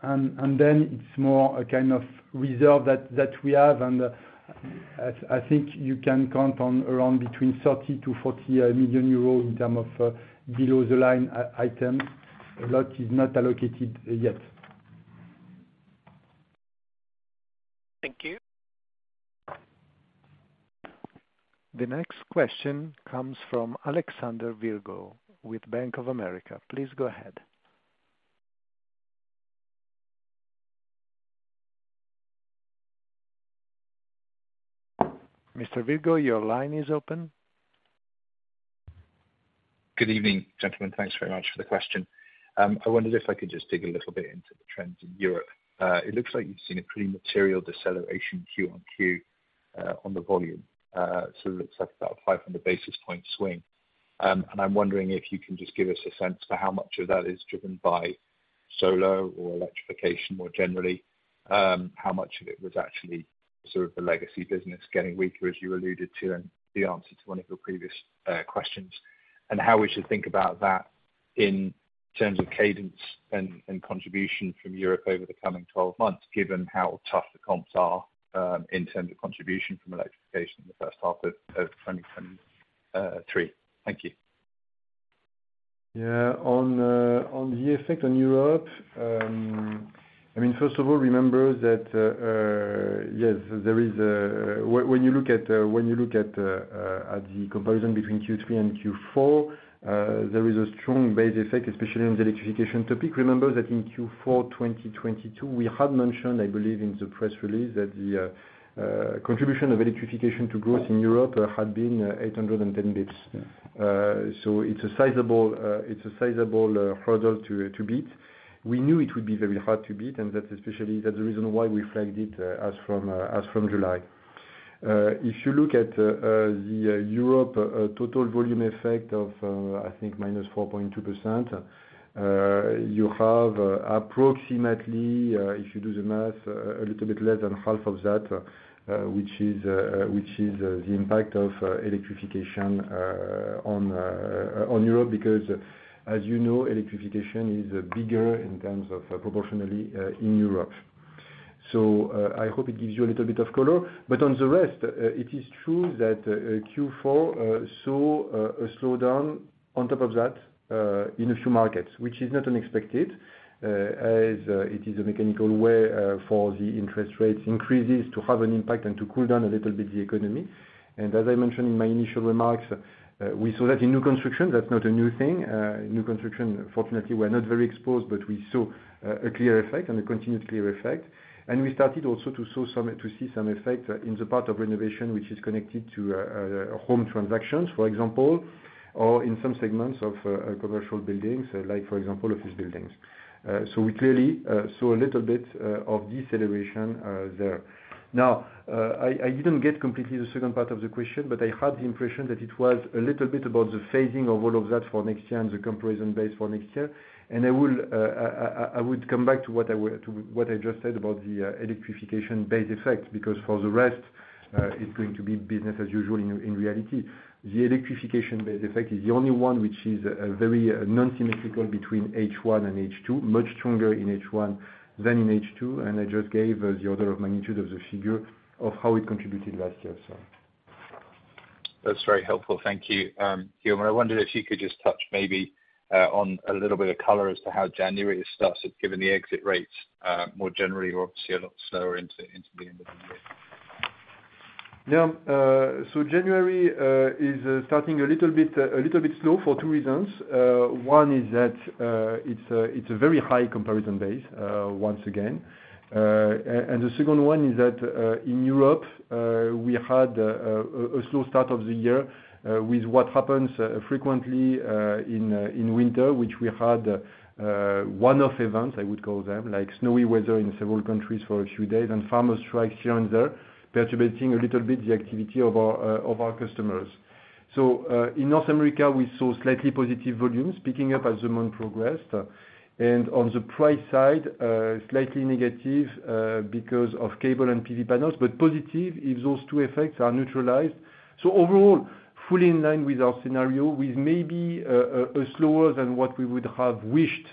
and then it's more a kind of reserve that we have. And I think you can count on around between 30 million-40 million euros in terms of below-the-line items. A lot is not allocated yet. Thank you. The next question comes from Alexander Virgo with Bank of America. Please go ahead. Mr. Virgo, your line is open. Good evening, gentlemen. Thanks very much for the question. I wondered if I could just dig a little bit into the trends in Europe. It looks like you've seen a pretty material deceleration Q on Q on the volume. So it looks like about a 500 basis point swing. And I'm wondering if you can just give us a sense for how much of that is driven by solar or electrification more generally, how much of it was actually sort of the legacy business getting weaker, as you alluded to in the answer to one of your previous questions, and how we should think about that in terms of cadence and contribution from Europe over the coming 12 months given how tough the comps are in terms of contribution from electrification in the first half of 2023. Thank you. Yeah. On the effect on Europe, I mean, first of all, remember that, yes, there is a, when you look at the comparison between Q3 and Q4, there is a strong base effect, especially on the electrification topic. Remember that in Q4 2022, we had mentioned, I believe, in the press release that the contribution of electrification to growth in Europe had been 810 basis points. So it's a sizable hurdle to beat. We knew it would be very hard to beat, and that's especially the reason why we flagged it as from July. If you look at the Europe total volume effect of, I think, minus 4.2%, you have approximately, if you do the math, a little bit less than half of that, which is the impact of electrification on Europe because, as you know, electrification is bigger in terms of proportionally in Europe. So I hope it gives you a little bit of color. But on the rest, it is true that Q4 saw a slowdown on top of that in a few markets, which is not unexpected as it is a mechanical way for the interest rates increases to have an impact and to cool down a little bit the economy. And as I mentioned in my initial remarks, we saw that in new construction. That's not a new thing. New construction, fortunately, we are not very exposed, but we saw a clear effect and a continued clear effect. And we started also to see some effect in the part of renovation, which is connected to home transactions, for example, or in some segments of commercial buildings, like, for example, office buildings. So we clearly saw a little bit of deceleration there. Now, I didn't get completely the second part of the question, but I had the impression that it was a little bit about the phasing of all of that for next year and the comparison base for next year. And I would come back to what I just said about the electrification base effect because for the rest, it's going to be business as usual in reality. The electrification base effect is the only one which is very non-symmetrical between H1 and H2, much stronger in H1 than in H2. And I just gave the order of magnitude of the figure of how it contributed last year, so. That's very helpful. Thank you, Guillaume. And I wondered if you could just touch maybe on a little bit of color as to how January starts given the exit rates more generally, obviously, a lot slower into the end of the year. Yeah. So January is starting a little bit slow for two reasons. One is that it's a very high comparison base, once again. And the second one is that in Europe, we had a slow start of the year with what happens frequently in winter, which we had one-off events, I would call them, like snowy weather in several countries for a few days and farmer strikes here and there, perturbing a little bit the activity of our customers. So in North America, we saw slightly positive volumes picking up as the month progressed. And on the price side, slightly negative because of cable and PV panels, but positive if those two effects are neutralized. So overall, fully in line with our scenario, with maybe a slower than what we would have wished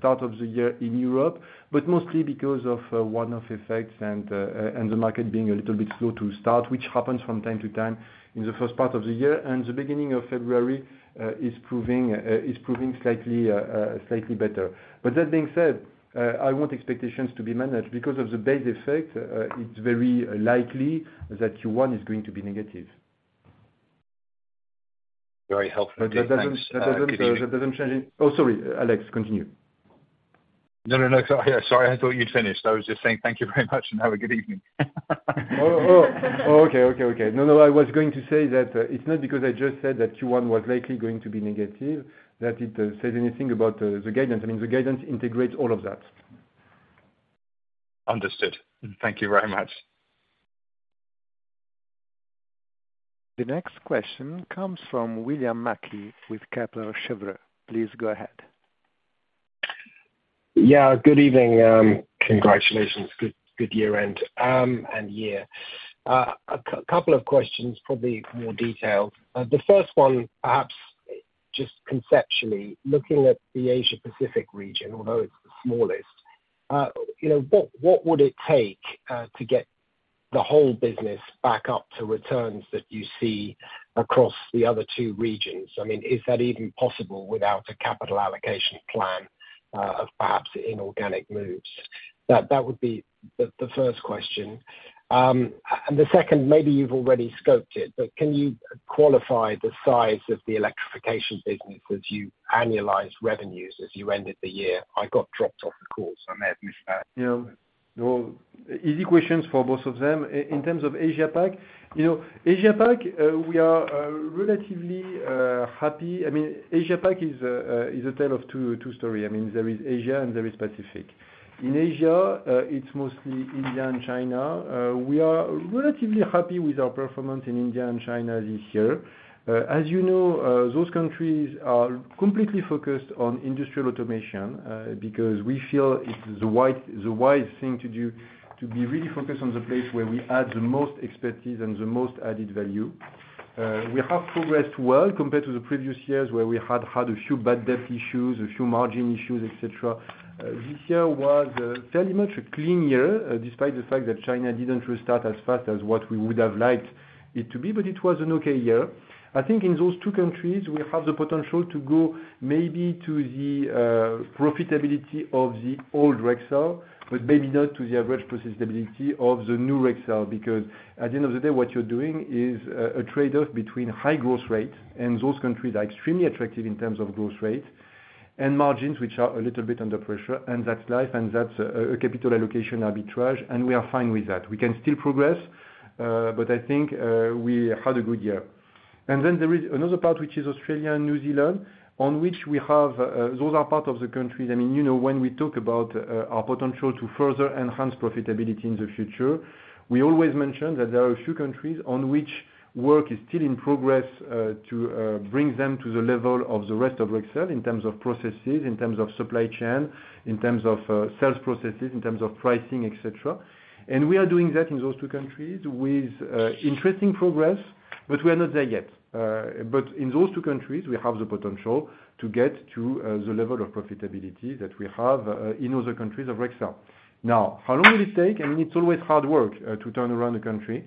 start of the year in Europe, but mostly because of one-off effects and the market being a little bit slow to start, which happens from time to time in the first part of the year. And the beginning of February is proving slightly better. But that being said, I want expectations to be managed because of the base effect, it's very likely that Q1 is going to be negative. Very helpful. Thank you. That doesn't change anything. Oh, sorry. Alex, continue. No, no, no. Sorry. I thought you'd finished. I was just saying thank you very much and have a good evening. Oh, oh, oh, okay, okay, okay. No, no. I was going to say that it's not because I just said that Q1 was likely going to be negative that it says anything about the guidance. I mean, the guidance integrates all of that. Understood. Thank you very much. The next question comes from William Mackie with Kepler Cheuvreux. Please go ahead. Yeah. Good evening. Congratulations. Good year-end and year. A couple of questions, probably more detailed. The first one, perhaps just conceptually, looking at the Asia-Pacific region, although it's the smallest, what would it take to get the whole business back up to returns that you see across the other two regions? I mean, is that even possible without a capital allocation plan of perhaps inorganic moves? That would be the first question. And the second, maybe you've already scoped it, but can you qualify the size of the electrification business as you annualize revenues as you ended the year? I got dropped off the call, so I may have missed that. Yeah. Well, easy questions for both of them. In terms of Asia-Pac, Asia-Pac, we are relatively happy. I mean, Asia-Pac is a tale of two stories. I mean, there is Asia, and there is Pacific. In Asia, it's mostly India and China. We are relatively happy with our performance in India and China this year. As you know, those countries are completely focused on industrial automation because we feel it's the wise thing to do to be really focused on the place where we add the most expertise and the most added value. We have progressed well compared to the previous years where we had had a few bad debt issues, a few margin issues, etc. This year was fairly much a clean year despite the fact that China didn't restart as fast as what we would have liked it to be. But it was an okay year. I think in those two countries, we have the potential to go maybe to the profitability of the old Rexel, but maybe not to the average profitability of the new Rexel because, at the end of the day, what you're doing is a trade-off between high growth rates and those countries are extremely attractive in terms of growth rates and margins, which are a little bit under pressure. And that's life, and that's a capital allocation arbitrage. And we are fine with that. We can still progress, but I think we had a good year. And then there is another part, which is Australia and New Zealand, on which we have those are part of the countries. I mean, when we talk about our potential to further enhance profitability in the future, we always mention that there are a few countries on which work is still in progress to bring them to the level of the rest of Rexel in terms of processes, in terms of supply chain, in terms of sales processes, in terms of pricing, etc. And we are doing that in those two countries with interesting progress, but we are not there yet. But in those two countries, we have the potential to get to the level of profitability that we have in other countries of Rexel. Now, how long will it take? I mean, it's always hard work to turn around a country.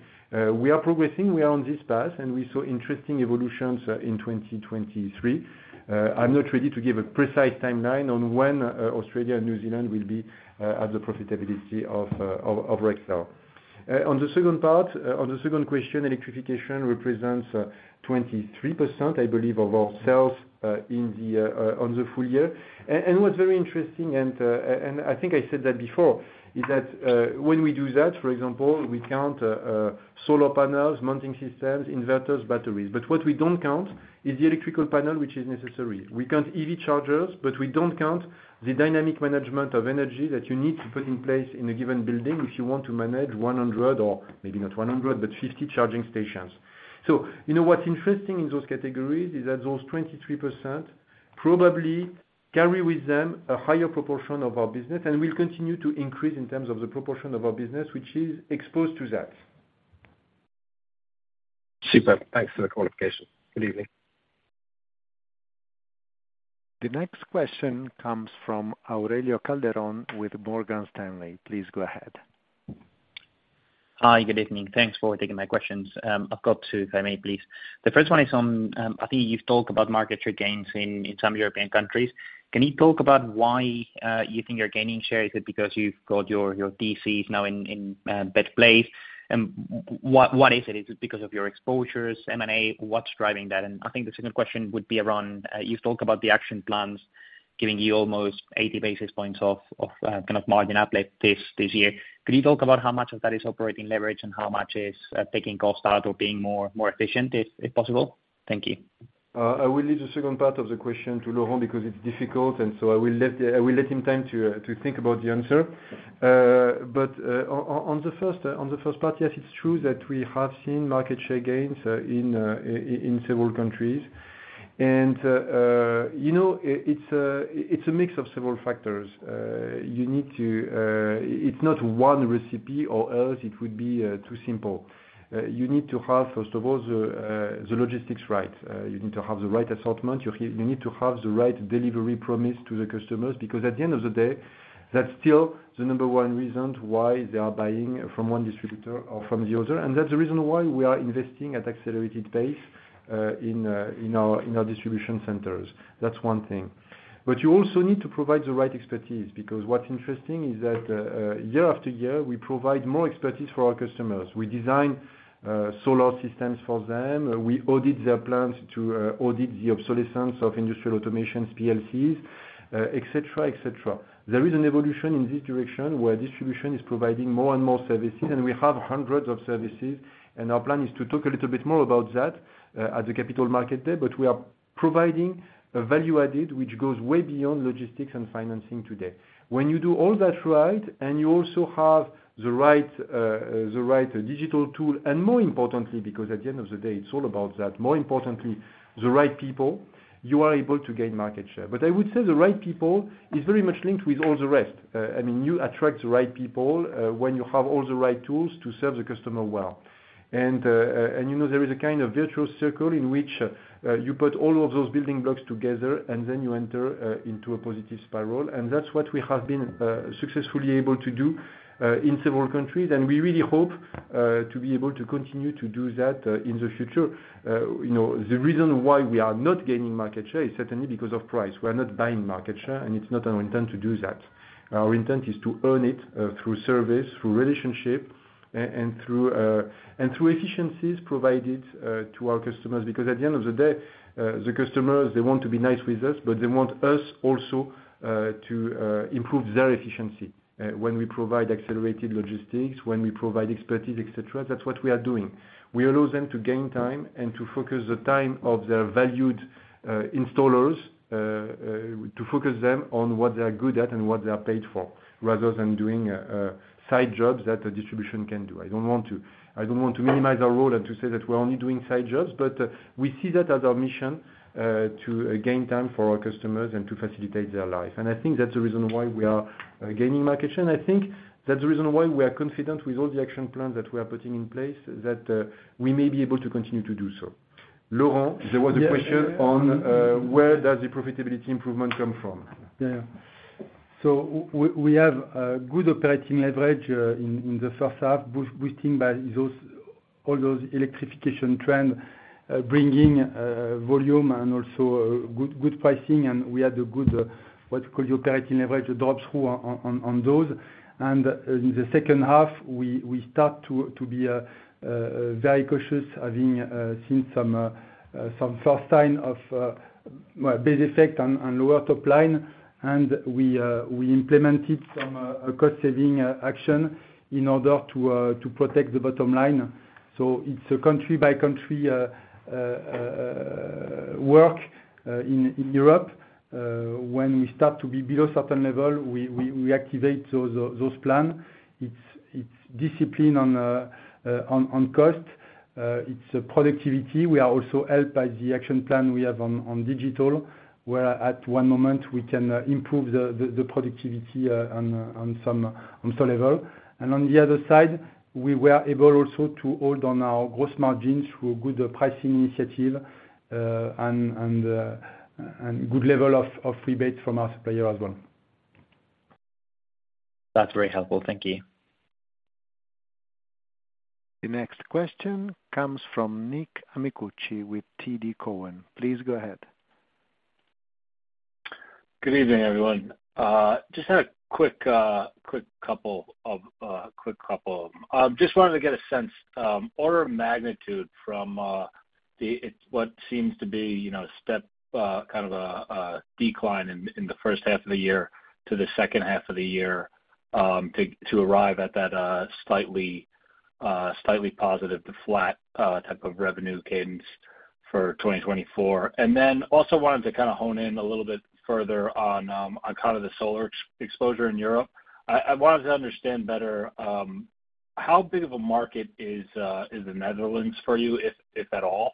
We are progressing. We are on this path, and we saw interesting evolutions in 2023. I'm not ready to give a precise timeline on when Australia and New Zealand will be at the profitability of Rexel. On the second part, on the second question, electrification represents 23%, I believe, of our sales on the full year. What's very interesting, and I think I said that before, is that when we do that, for example, we count solar panels, mounting systems, inverters, batteries. But what we don't count is the electrical panel, which is necessary. We count EV chargers, but we don't count the dynamic management of energy that you need to put in place in a given building if you want to manage 100 or maybe not 100, but 50 charging stations. So what's interesting in those categories is that those 23% probably carry with them a higher proportion of our business and will continue to increase in terms of the proportion of our business, which is exposed to that. Super. Thanks for the qualification. Good evening. The next question comes from Aurelio Calderón with Morgan Stanley. Please go ahead. Hi. Good evening. Thanks for taking my questions. I've got two, if I may, please. The first one is on I think you've talked about market share gains in some European countries. Can you talk about why you think you're gaining shares? Is it because you've got your DCs now in better place? And what is it? Is it because of your exposures, M&A? What's driving that? And I think the second question would be around you've talked about the action plans giving you almost 80 basis points of kind of margin uplift this year. Could you talk about how much of that is operating leverage and how much is taking cost out or being more efficient, if possible? Thank you. I will leave the second part of the question to Laurent because it's difficult, and so I will let him time to think about the answer. But on the first part, yes, it's true that we have seen market share gains in several countries. And it's a mix of several factors. You need to. It's not one recipe or else, it would be too simple. You need to have, first of all, the logistics right. You need to have the right assortment. You need to have the right delivery promise to the customers because, at the end of the day, that's still the number one reason why they are buying from one distributor or from the other. And that's the reason why we are investing at accelerated pace in our distribution centers. That's one thing. But you also need to provide the right expertise because what's interesting is that year after year, we provide more expertise for our customers. We design solar systems for them. We audit their plants to audit the obsolescence of industrial automations, PLCs, etc., etc. There is an evolution in this direction where distribution is providing more and more services, and we have hundreds of services. And our plan is to talk a little bit more about that at the Capital Markets Day, but we are providing a value-added, which goes way beyond logistics and financing today. When you do all that right and you also have the right digital tool and, more importantly, because at the end of the day, it's all about that, more importantly, the right people, you are able to gain market share. But I would say the right people is very much linked with all the rest. I mean, you attract the right people when you have all the right tools to serve the customer well. And there is a kind of virtuous circle in which you put all of those building blocks together, and then you enter into a positive spiral. And that's what we have been successfully able to do in several countries. And we really hope to be able to continue to do that in the future. The reason why we are not gaining market share is certainly because of price. We are not buying market share, and it's not our intent to do that. Our intent is to earn it through service, through relationship, and through efficiencies provided to our customers because, at the end of the day, the customers, they want to be nice with us, but they want us also to improve their efficiency when we provide accelerated logistics, when we provide expertise, etc. That's what we are doing. We allow them to gain time and to focus the time of their valued installers to focus them on what they are good at and what they are paid for rather than doing side jobs that a distribution can do. I don't want to minimize our role and to say that we're only doing side jobs, but we see that as our mission to gain time for our customers and to facilitate their life. And I think that's the reason why we are gaining market share. And I think that's the reason why we are confident with all the action plans that we are putting in place, that we may be able to continue to do so. Laurent, there was a question on where does the profitability improvement come from. Yeah, yeah. So we have good operating leverage in the first half, boosting by all those electrification trends, bringing volume and also good pricing. And we had the good, what you call, the operating leverage drops through on those. And in the second half, we start to be very cautious, having seen some first sign of base effect and lower top line. And we implemented some cost-saving action in order to protect the bottom line. So it's country-by-country work in Europe. When we start to be below certain level, we activate those plans. It's discipline on cost. It's productivity. We are also helped by the action plan we have on digital, where, at one moment, we can improve the productivity on some level. And on the other side, we were able also to hold on our gross margins through a good pricing initiative and good level of rebates from our supplier as well. That's very helpful. Thank you. The next question comes from Nick Amicucci with TD Cowen. Please go ahead. Good evening, everyone. Just had a quick couple of just wanted to get a sense, order of magnitude, from what seems to be a step kind of a decline in the first half of the year to the second half of the year to arrive at that slightly positive, flat type of revenue cadence for 2024. Then also wanted to kind of hone in a little bit further on kind of the solar exposure in Europe. I wanted to understand better how big of a market is the Netherlands for you, if at all,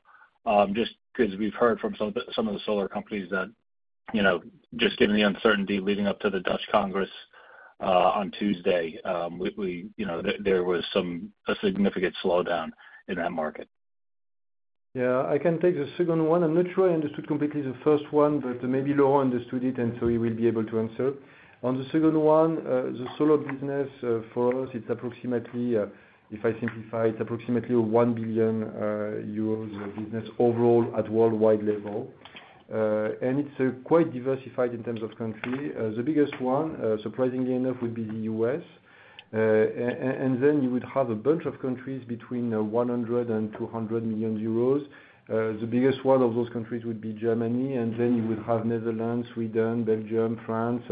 just because we've heard from some of the solar companies that just given the uncertainty leading up to the Dutch Congress on Tuesday, there was a significant slowdown in that market. Yeah. I can take the second one. I'm not sure I understood completely the first one, but maybe Laurent understood it, and so he will be able to answer. On the second one, the solar business for us, it's approximately if I simplify, it's approximately 1 billion euros business overall at worldwide level. And it's quite diversified in terms of country. The biggest one, surprisingly enough, would be the U.S. Then you would have a bunch of countries between 100 million euros and 200 million euros. The biggest one of those countries would be Germany. Then you would have Netherlands, Sweden, Belgium, France.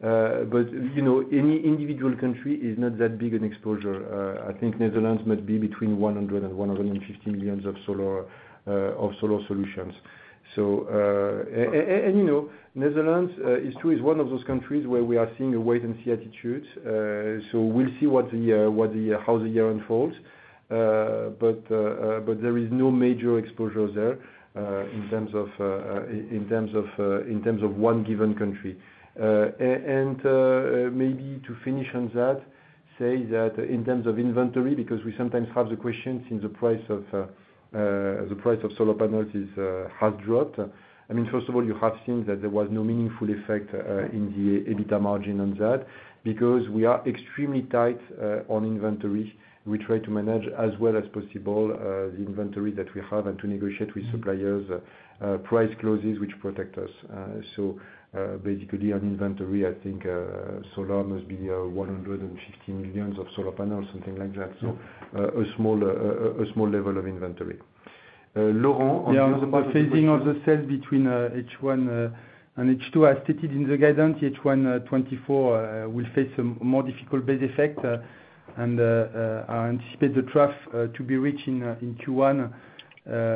But any individual country is not that big an exposure. I think Netherlands might be between 100 million and 150 million of solar solutions. And Netherlands, it's true, is one of those countries where we are seeing a wait-and-see attitude. So we'll see how the year unfolds. But there is no major exposure there in terms of one given country. And maybe to finish on that, say that in terms of inventory, because we sometimes have the question since the price of solar panels has dropped, I mean, first of all, you have seen that there was no meaningful effect in the EBITDA margin on that because we are extremely tight on inventory. We try to manage as well as possible the inventory that we have and to negotiate with suppliers price clauses, which protect us. So basically, on inventory, I think solar must be 150 million of solar panels, something like that, so a small level of inventory. Laurent, on the other part of the question. Yeah. The phasing of the sales between H1 and H2, as stated in the guidance, H1 2024 will face a more difficult base effect. I anticipate the trough to be reached in Q1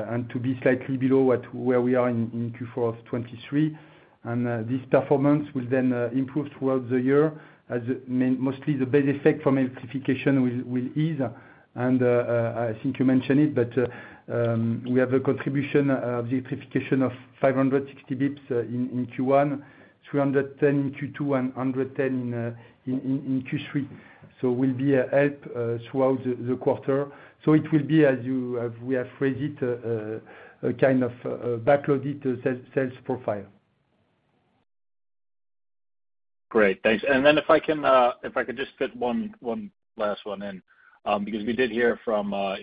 and to be slightly below where we are in Q4 of 2023. This performance will then improve throughout the year as mostly the base effect from electrification will ease. I think you mentioned it, but we have a contribution of the electrification of 560 bips in Q1, 310 in Q2, and 110 in Q3. So it will be a help throughout the quarter. So it will be, as we have phrased it, a kind of backlogged sales profile. Great. Thanks. And then if I can just fit one last one in because we did hear from a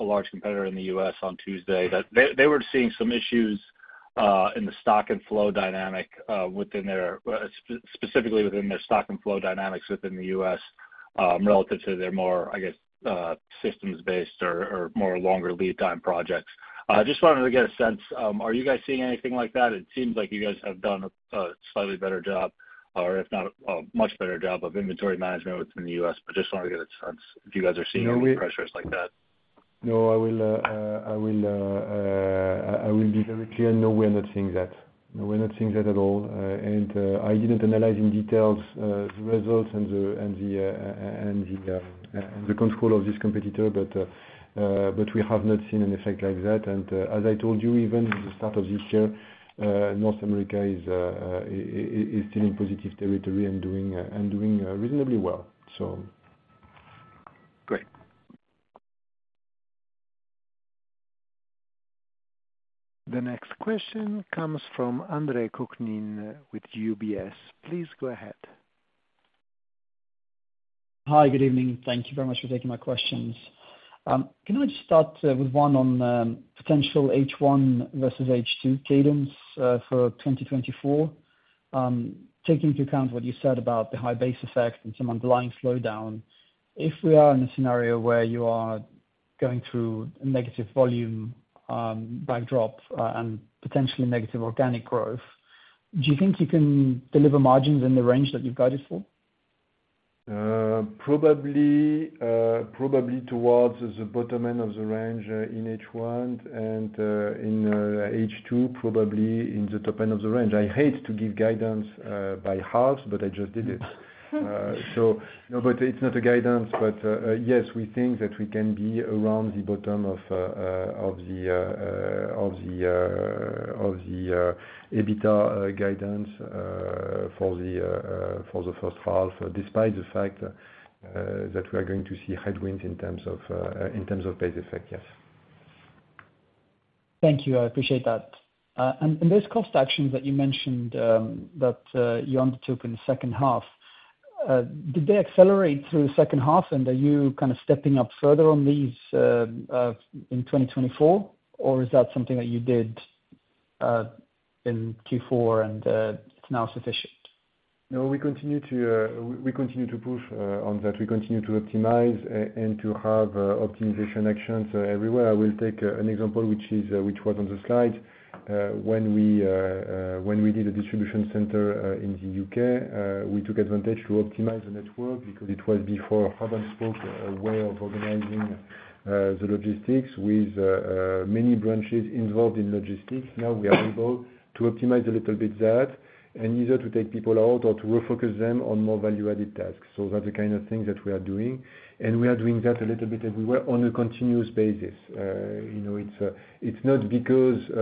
large competitor in the U.S. on Tuesday that they were seeing some issues in the stock and flow dynamic, specifically within their stock and flow dynamics within the U.S. relative to their more, I guess, systems-based or more longer lead-time projects. I just wanted to get a sense, are you guys seeing anything like that? It seems like you guys have done a slightly better job or, if not, a much better job of inventory management within the U.S., but just wanted to get a sense if you guys are seeing any pressures like that. No, I will be very clear. No, we are not seeing that. No, we are not seeing that at all. And I didn't analyze in detail the results and the control of this competitor, but we have not seen an effect like that. And as I told you, even at the start of this year, North America is still in positive territory and doing reasonably well, so. Great. The next question comes from Andre Kukhnin with UBS. Please go ahead. Hi. Good evening. Thank you very much for taking my questions. Can I just start with one on potential H1 versus H2 cadence for 2024? Taking into account what you said about the high base effect and some underlying slowdown, if we are in a scenario where you are going through a negative volume backdrop and potentially negative organic growth, do you think you can deliver margins in the range that you've guided for? Probably towards the bottom end of the range in H1. In H2, probably in the top end of the range. I hate to give guidance by halves, but I just did it. It's not a guidance. Yes, we think that we can be around the bottom of the EBITDA guidance for the first half despite the fact that we are going to see headwinds in terms of base effect. Yes. Thank you. I appreciate that. Those cost actions that you mentioned that you undertook in the second half, did they accelerate through the second half? Are you kind of stepping up further on these in 2024, or is that something that you did in Q4, and it's now sufficient? No, we continue to push on that. We continue to optimize and to have optimization actions everywhere. I will take an example, which was on the slide. When we did a distribution center in the U.K., we took advantage to optimize the network because it was, before hub and spoke, a way of organizing the logistics with many branches involved in logistics. Now, we are able to optimize a little bit that and either to take people out or to refocus them on more value-added tasks. That's the kind of things that we are doing. We are doing that a little bit everywhere on a continuous basis. It's not because, at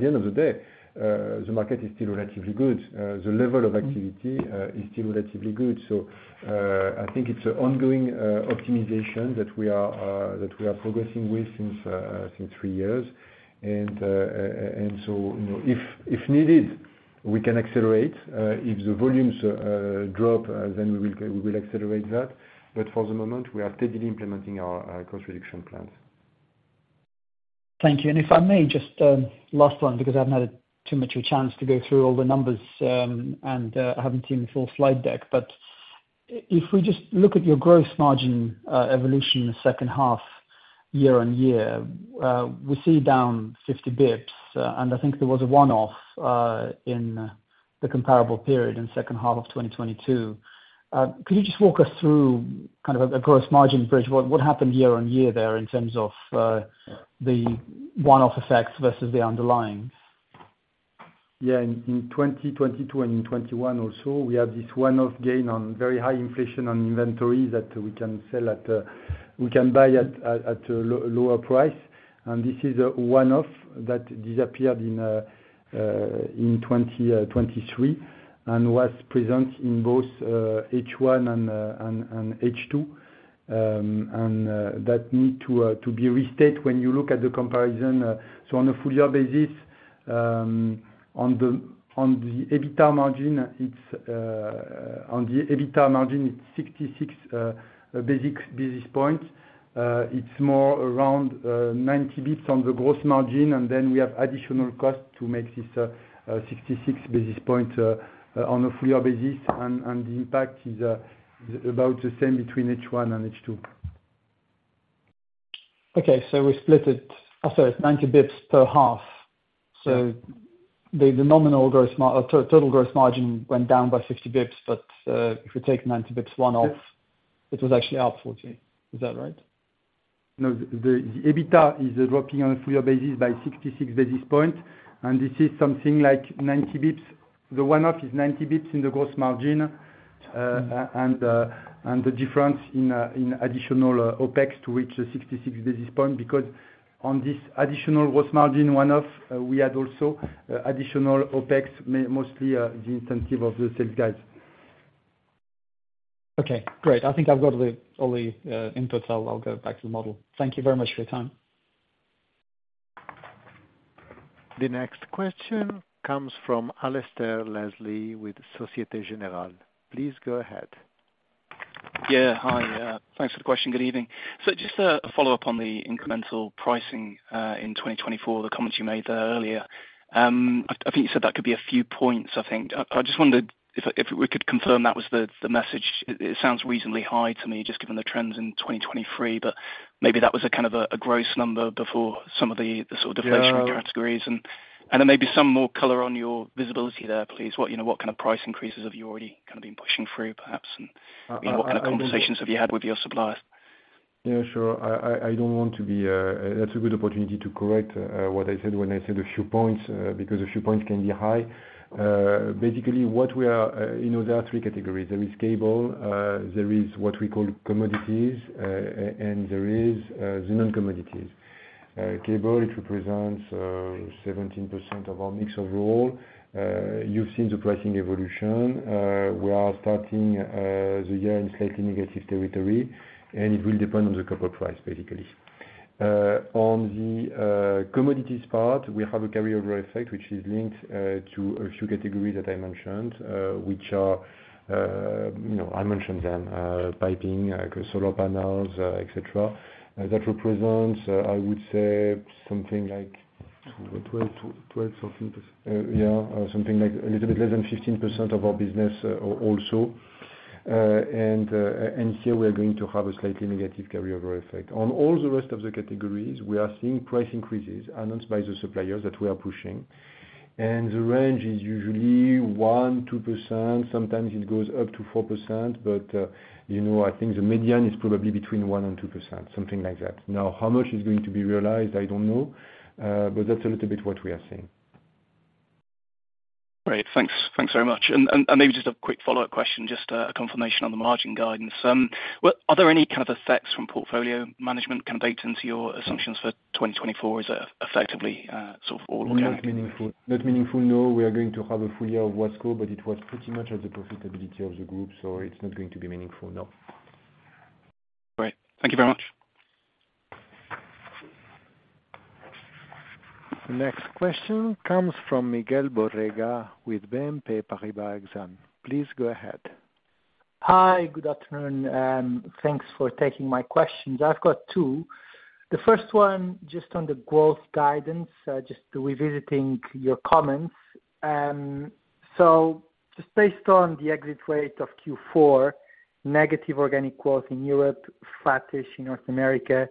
the end of the day, the market is still relatively good. The level of activity is still relatively good. So I think it's an ongoing optimization that we are progressing with since three years. And so if needed, we can accelerate. If the volumes drop, then we will accelerate that. But for the moment, we are steadily implementing our cost-reduction plans. Thank you. And if I may, just last one because I've not had too much of a chance to go through all the numbers, and I haven't seen the full slide deck. But if we just look at your gross margin evolution in the second half, year-over-year, we see down 50 basis points. And I think there was a one-off in the comparable period in the second half of 2022. Could you just walk us through kind of a gross margin bridge? What happened year-over-year there in terms of the one-off effect versus the underlying? Yeah. In 2022 and in 2021 also, we have this one-off gain on very high inflation on inventory that we can sell at we can buy at a lower price. And this is a one-off that disappeared in 2023 and was present in both H1 and H2. And that needs to be restated when you look at the comparison. So on a full-year basis, on the EBITDA margin, it's on the EBITDA margin, it's 66 basis points. It's more around 90 basis points on the gross margin. And then we have additional cost to make this 66 basis points on a full-year basis. And the impact is about the same between H1 and H2. Okay. So we split it. I'll say it's 90 basis points per half. So the nominal total gross margin went down by 50 basis points. But if we take 90 basis points one-off, it was actually up 40. Is that right? No. The EBITDA is dropping on a full-year basis by 66 basis points. And this is something like 90 basis points. The one-off is 90 basis points in the gross margin and the difference in additional OpEx to reach the 66 basis points because on this additional gross margin one-off, we had also additional OpEx, mostly the incentive of the sales guys. Okay. Great. I think I've got all the inputs. I'll go back to the model. Thank you very much for your time. The next question comes from Alasdair Leslie with Société Générale. Please go ahead. Yeah. Hi. Thanks for the question. Good evening. So just a follow-up on the incremental pricing in 2024, the comment you made there earlier. I think you said that could be a few points, I think. I just wondered if we could confirm that was the message. It sounds reasonably high to me just given the trends in 2023, but maybe that was a kind of a gross number before some of the sort of deflationary categories. And then maybe some more color on your visibility there, please. What kind of price increases have you already kind of been pushing through, perhaps? And what kind of conversations have you had with your suppliers? Yeah. Sure. I don't want to be. That's a good opportunity to correct what I said when I said a few points because a few points can be high. Basically, what we are there are three categories. There is cable. There is what we call commodities. And there is the non-commodities. Cable, it represents 17% of our mix overall. You've seen the pricing evolution. We are starting the year in slightly negative territory. And it will depend on the copper price, basically. On the commodities part, we have a carryover effect, which is linked to a few categories that I mentioned, which are piping, solar panels, etc. That represents, I would say, something like 12%-14%. Yeah. Something like a little bit less than 15% of our business also. And here, we are going to have a slightly negative carryover effect. On all the rest of the categories, we are seeing price increases announced by the suppliers that we are pushing. And the range is usually 1%-2%. Sometimes it goes up to 4%. But I think the median is probably between 1% and 2%, something like that. Now, how much is going to be realized, I don't know. But that's a little bit what we are seeing. Great. Thanks. Thanks very much. And maybe just a quick follow-up question, just a confirmation on the margin guidance. Are there any kind of effects from portfolio management kind of baked into your assumptions for 2024? Is it effectively sort of all organic? Not meaningful. Not meaningful, no. We are going to have a full year of Wasco, but it was pretty much at the profitability of the group. So it's not going to be meaningful, no. Great. Thank you very much. The next question comes from Miguel Borrega with BNP Paribas Exane. Please go ahead. Hi. Good afternoon. Thanks for taking my questions. I've got two. The first one just on the growth guidance, just revisiting your comments. So just based on the exit rate of Q4, negative organic growth in Europe, flatish in North America,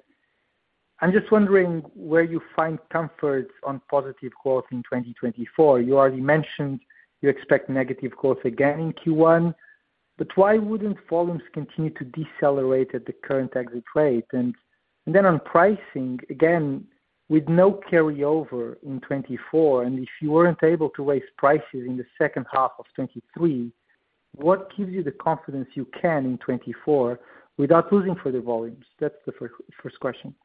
I'm just wondering where you find comfort on positive growth in 2024. You already mentioned you expect negative growth again in Q1. But why wouldn't volumes continue to decelerate at the current exit rate? And then on pricing, again, with no carryover in 2024, and if you weren't able to raise prices in the second half of 2023, what gives you the confidence you can in 2024 without losing further volumes? That's the first question.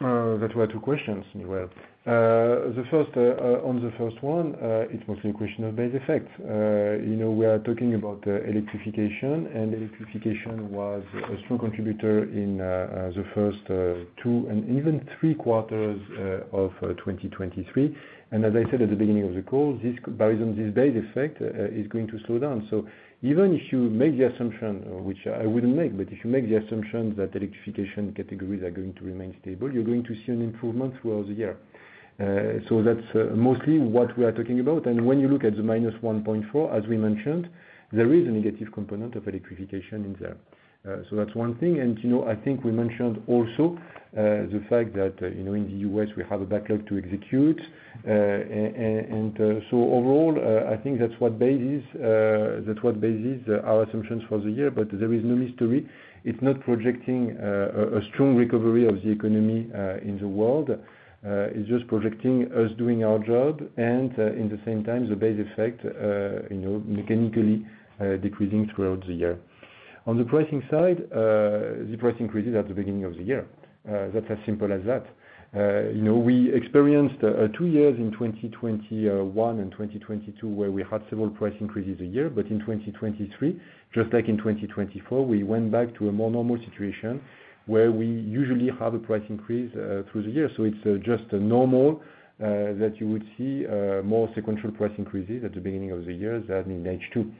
That were two questions, Miguel. On the first one, it's mostly a question of base effect. We are talking about electrification. And electrification was a strong contributor in the first two, and even three quarters of 2023. As I said at the beginning of the call, this base effect is going to slow down. Even if you make the assumption, which I wouldn't make, but if you make the assumption that electrification categories are going to remain stable, you're going to see an improvement throughout the year. That's mostly what we are talking about. When you look at the -1.4%, as we mentioned, there is a negative component of electrification in there. That's one thing. I think we mentioned also the fact that in the U.S., we have a backlog to execute. Overall, I think that's what bases our assumptions for the year. There is no mystery. It's not projecting a strong recovery of the economy in the world. It's just projecting us doing our job and, at the same time, the base effect mechanically decreasing throughout the year. On the pricing side, the price increases at the beginning of the year. That's as simple as that. We experienced 2 years in 2021 and 2022 where we had several price increases a year. But in 2023, just like in 2024, we went back to a more normal situation where we usually have a price increase through the year. So it's just normal that you would see more sequential price increases at the beginning of the year than in H2.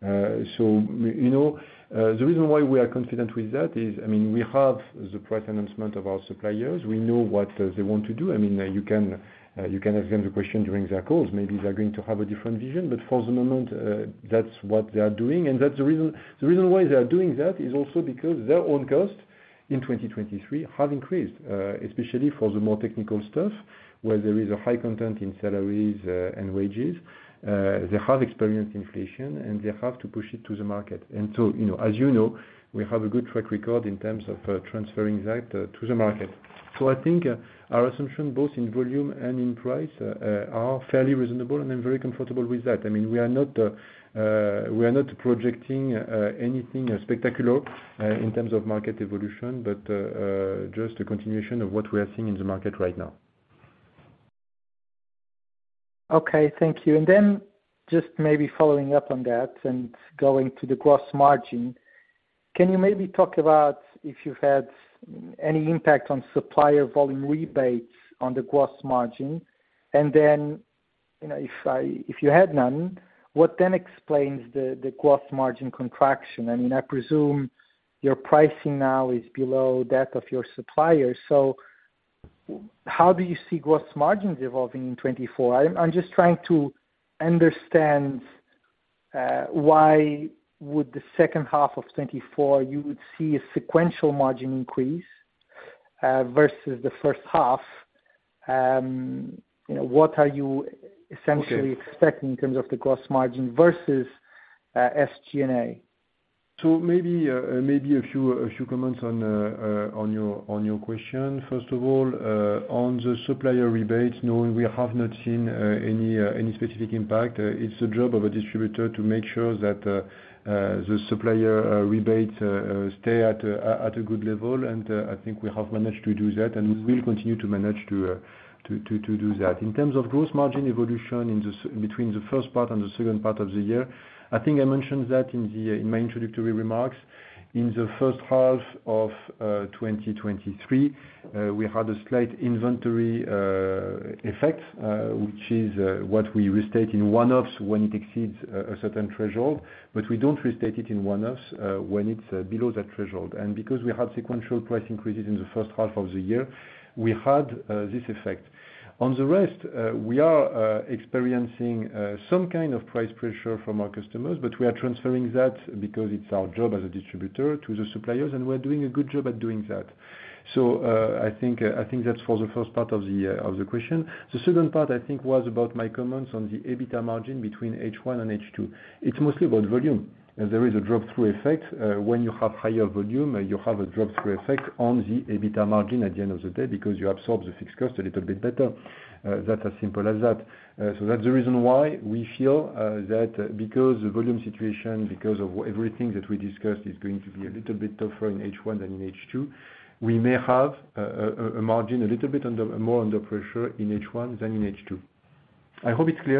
So the reason why we are confident with that is, I mean, we have the price announcement of our suppliers. We know what they want to do. I mean, you can ask them the question during their calls. Maybe they're going to have a different vision. But for the moment, that's what they are doing. The reason why they are doing that is also because their own costs in 2023 have increased, especially for the more technical stuff where there is a high content in salaries and wages. They have experienced inflation, and they have to push it to the market. So, as you know, we have a good track record in terms of transferring that to the market. So I think our assumption, both in volume and in price, are fairly reasonable. And I'm very comfortable with that. I mean, we are not projecting anything spectacular in terms of market evolution but just a continuation of what we are seeing in the market right now. Okay. Thank you. Then just maybe following up on that and going to the gross margin, can you maybe talk about if you've had any impact on supplier volume rebates on the gross margin? And then if you had none, what then explains the gross margin contraction? I mean, I presume your pricing now is below that of your suppliers. So how do you see gross margins evolving in 2024? I'm just trying to understand why would the second half of 2024 you would see a sequential margin increase versus the first half. What are you essentially expecting in terms of the gross margin versus SG&A? So maybe a few comments on your question. First of all, on the supplier rebates, no, we have not seen any specific impact. It's the job of a distributor to make sure that the supplier rebates stay at a good level. And I think we have managed to do that. And we will continue to manage to do that. In terms of gross margin evolution between the first part and the second part of the year, I think I mentioned that in my introductory remarks. In the first half of 2023, we had a slight inventory effect, which is what we restate in one-offs when it exceeds a certain threshold. But we don't restate it in one-offs when it's below that threshold. And because we had sequential price increases in the first half of the year, we had this effect. On the rest, we are experiencing some kind of price pressure from our customers. But we are transferring that because it's our job as a distributor to the suppliers. And we're doing a good job at doing that. So I think that's for the first part of the question. The second part, I think, was about my comments on the EBITDA margin between H1 and H2. It's mostly about volume. There is a drop-through effect. When you have higher volume, you have a drop-through effect on the EBITDA margin at the end of the day because you absorb the fixed cost a little bit better. That's as simple as that. So that's the reason why we feel that because the volume situation, because of everything that we discussed, is going to be a little bit tougher in H1 than in H2, we may have a margin a little bit more under pressure in H1 than in H2. I hope it's clear,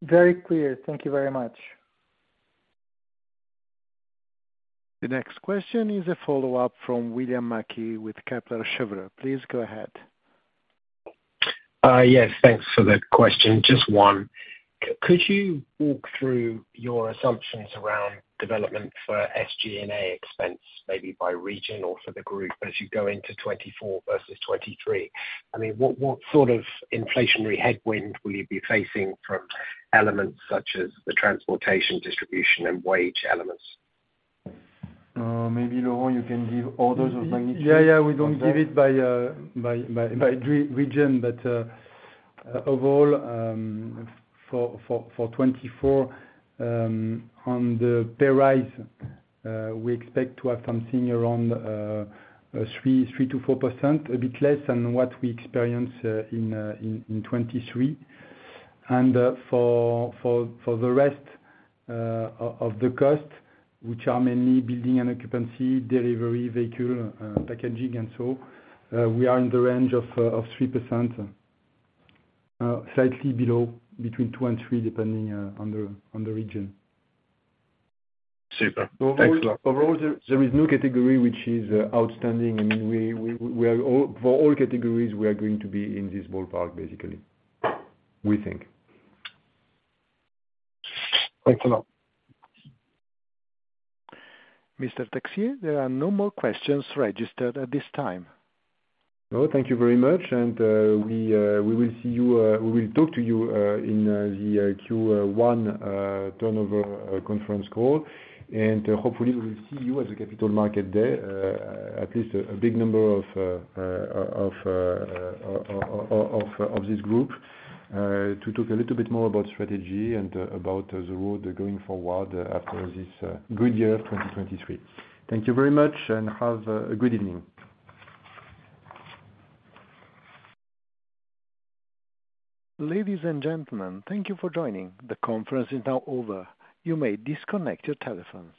Miguel. Very clear. Thank you very much. The next question is a follow-up from William Mackie with Kepler Cheuvreux. Please go ahead. Yes. Thanks for that question. Just one. Could you walk through your assumptions around development for SG&A expense, maybe by region or for the group, as you go into 2024 versus 2023? I mean, what sort of inflationary headwind will you be facing from elements such as the transportation, distribution, and wage elements? Maybe, Laurent, you can give orders of magnitude? Yeah. Yeah. We don't give it by region. But overall, for 2024, on the pay rise, we expect to have something around 3%-4%, a bit less than what we experienced in 2023. And for the rest of the cost, which are mainly building and occupancy, delivery, vehicle, packaging, and so, we are in the range of 3%, slightly below, between 2%-3% depending on the region. Super. Excellent. Overall, there is no category which is outstanding. I mean, for all categories, we are going to be in this ballpark, basically, we think. Thanks a lot. Mr. Texier, there are no more questions registered at this time. No. Thank you very much. We will see you. We will talk to you in the Q1 turnover conference call. Hopefully, we will see you at the Capital Markets Day, at least a big number of this group, to talk a little bit more about strategy and about the road going forward after this good year of 2023. Thank you very much. Have a good evening. Ladies and gentlemen, thank you for joining. The conference is now over. You may disconnect your telephone.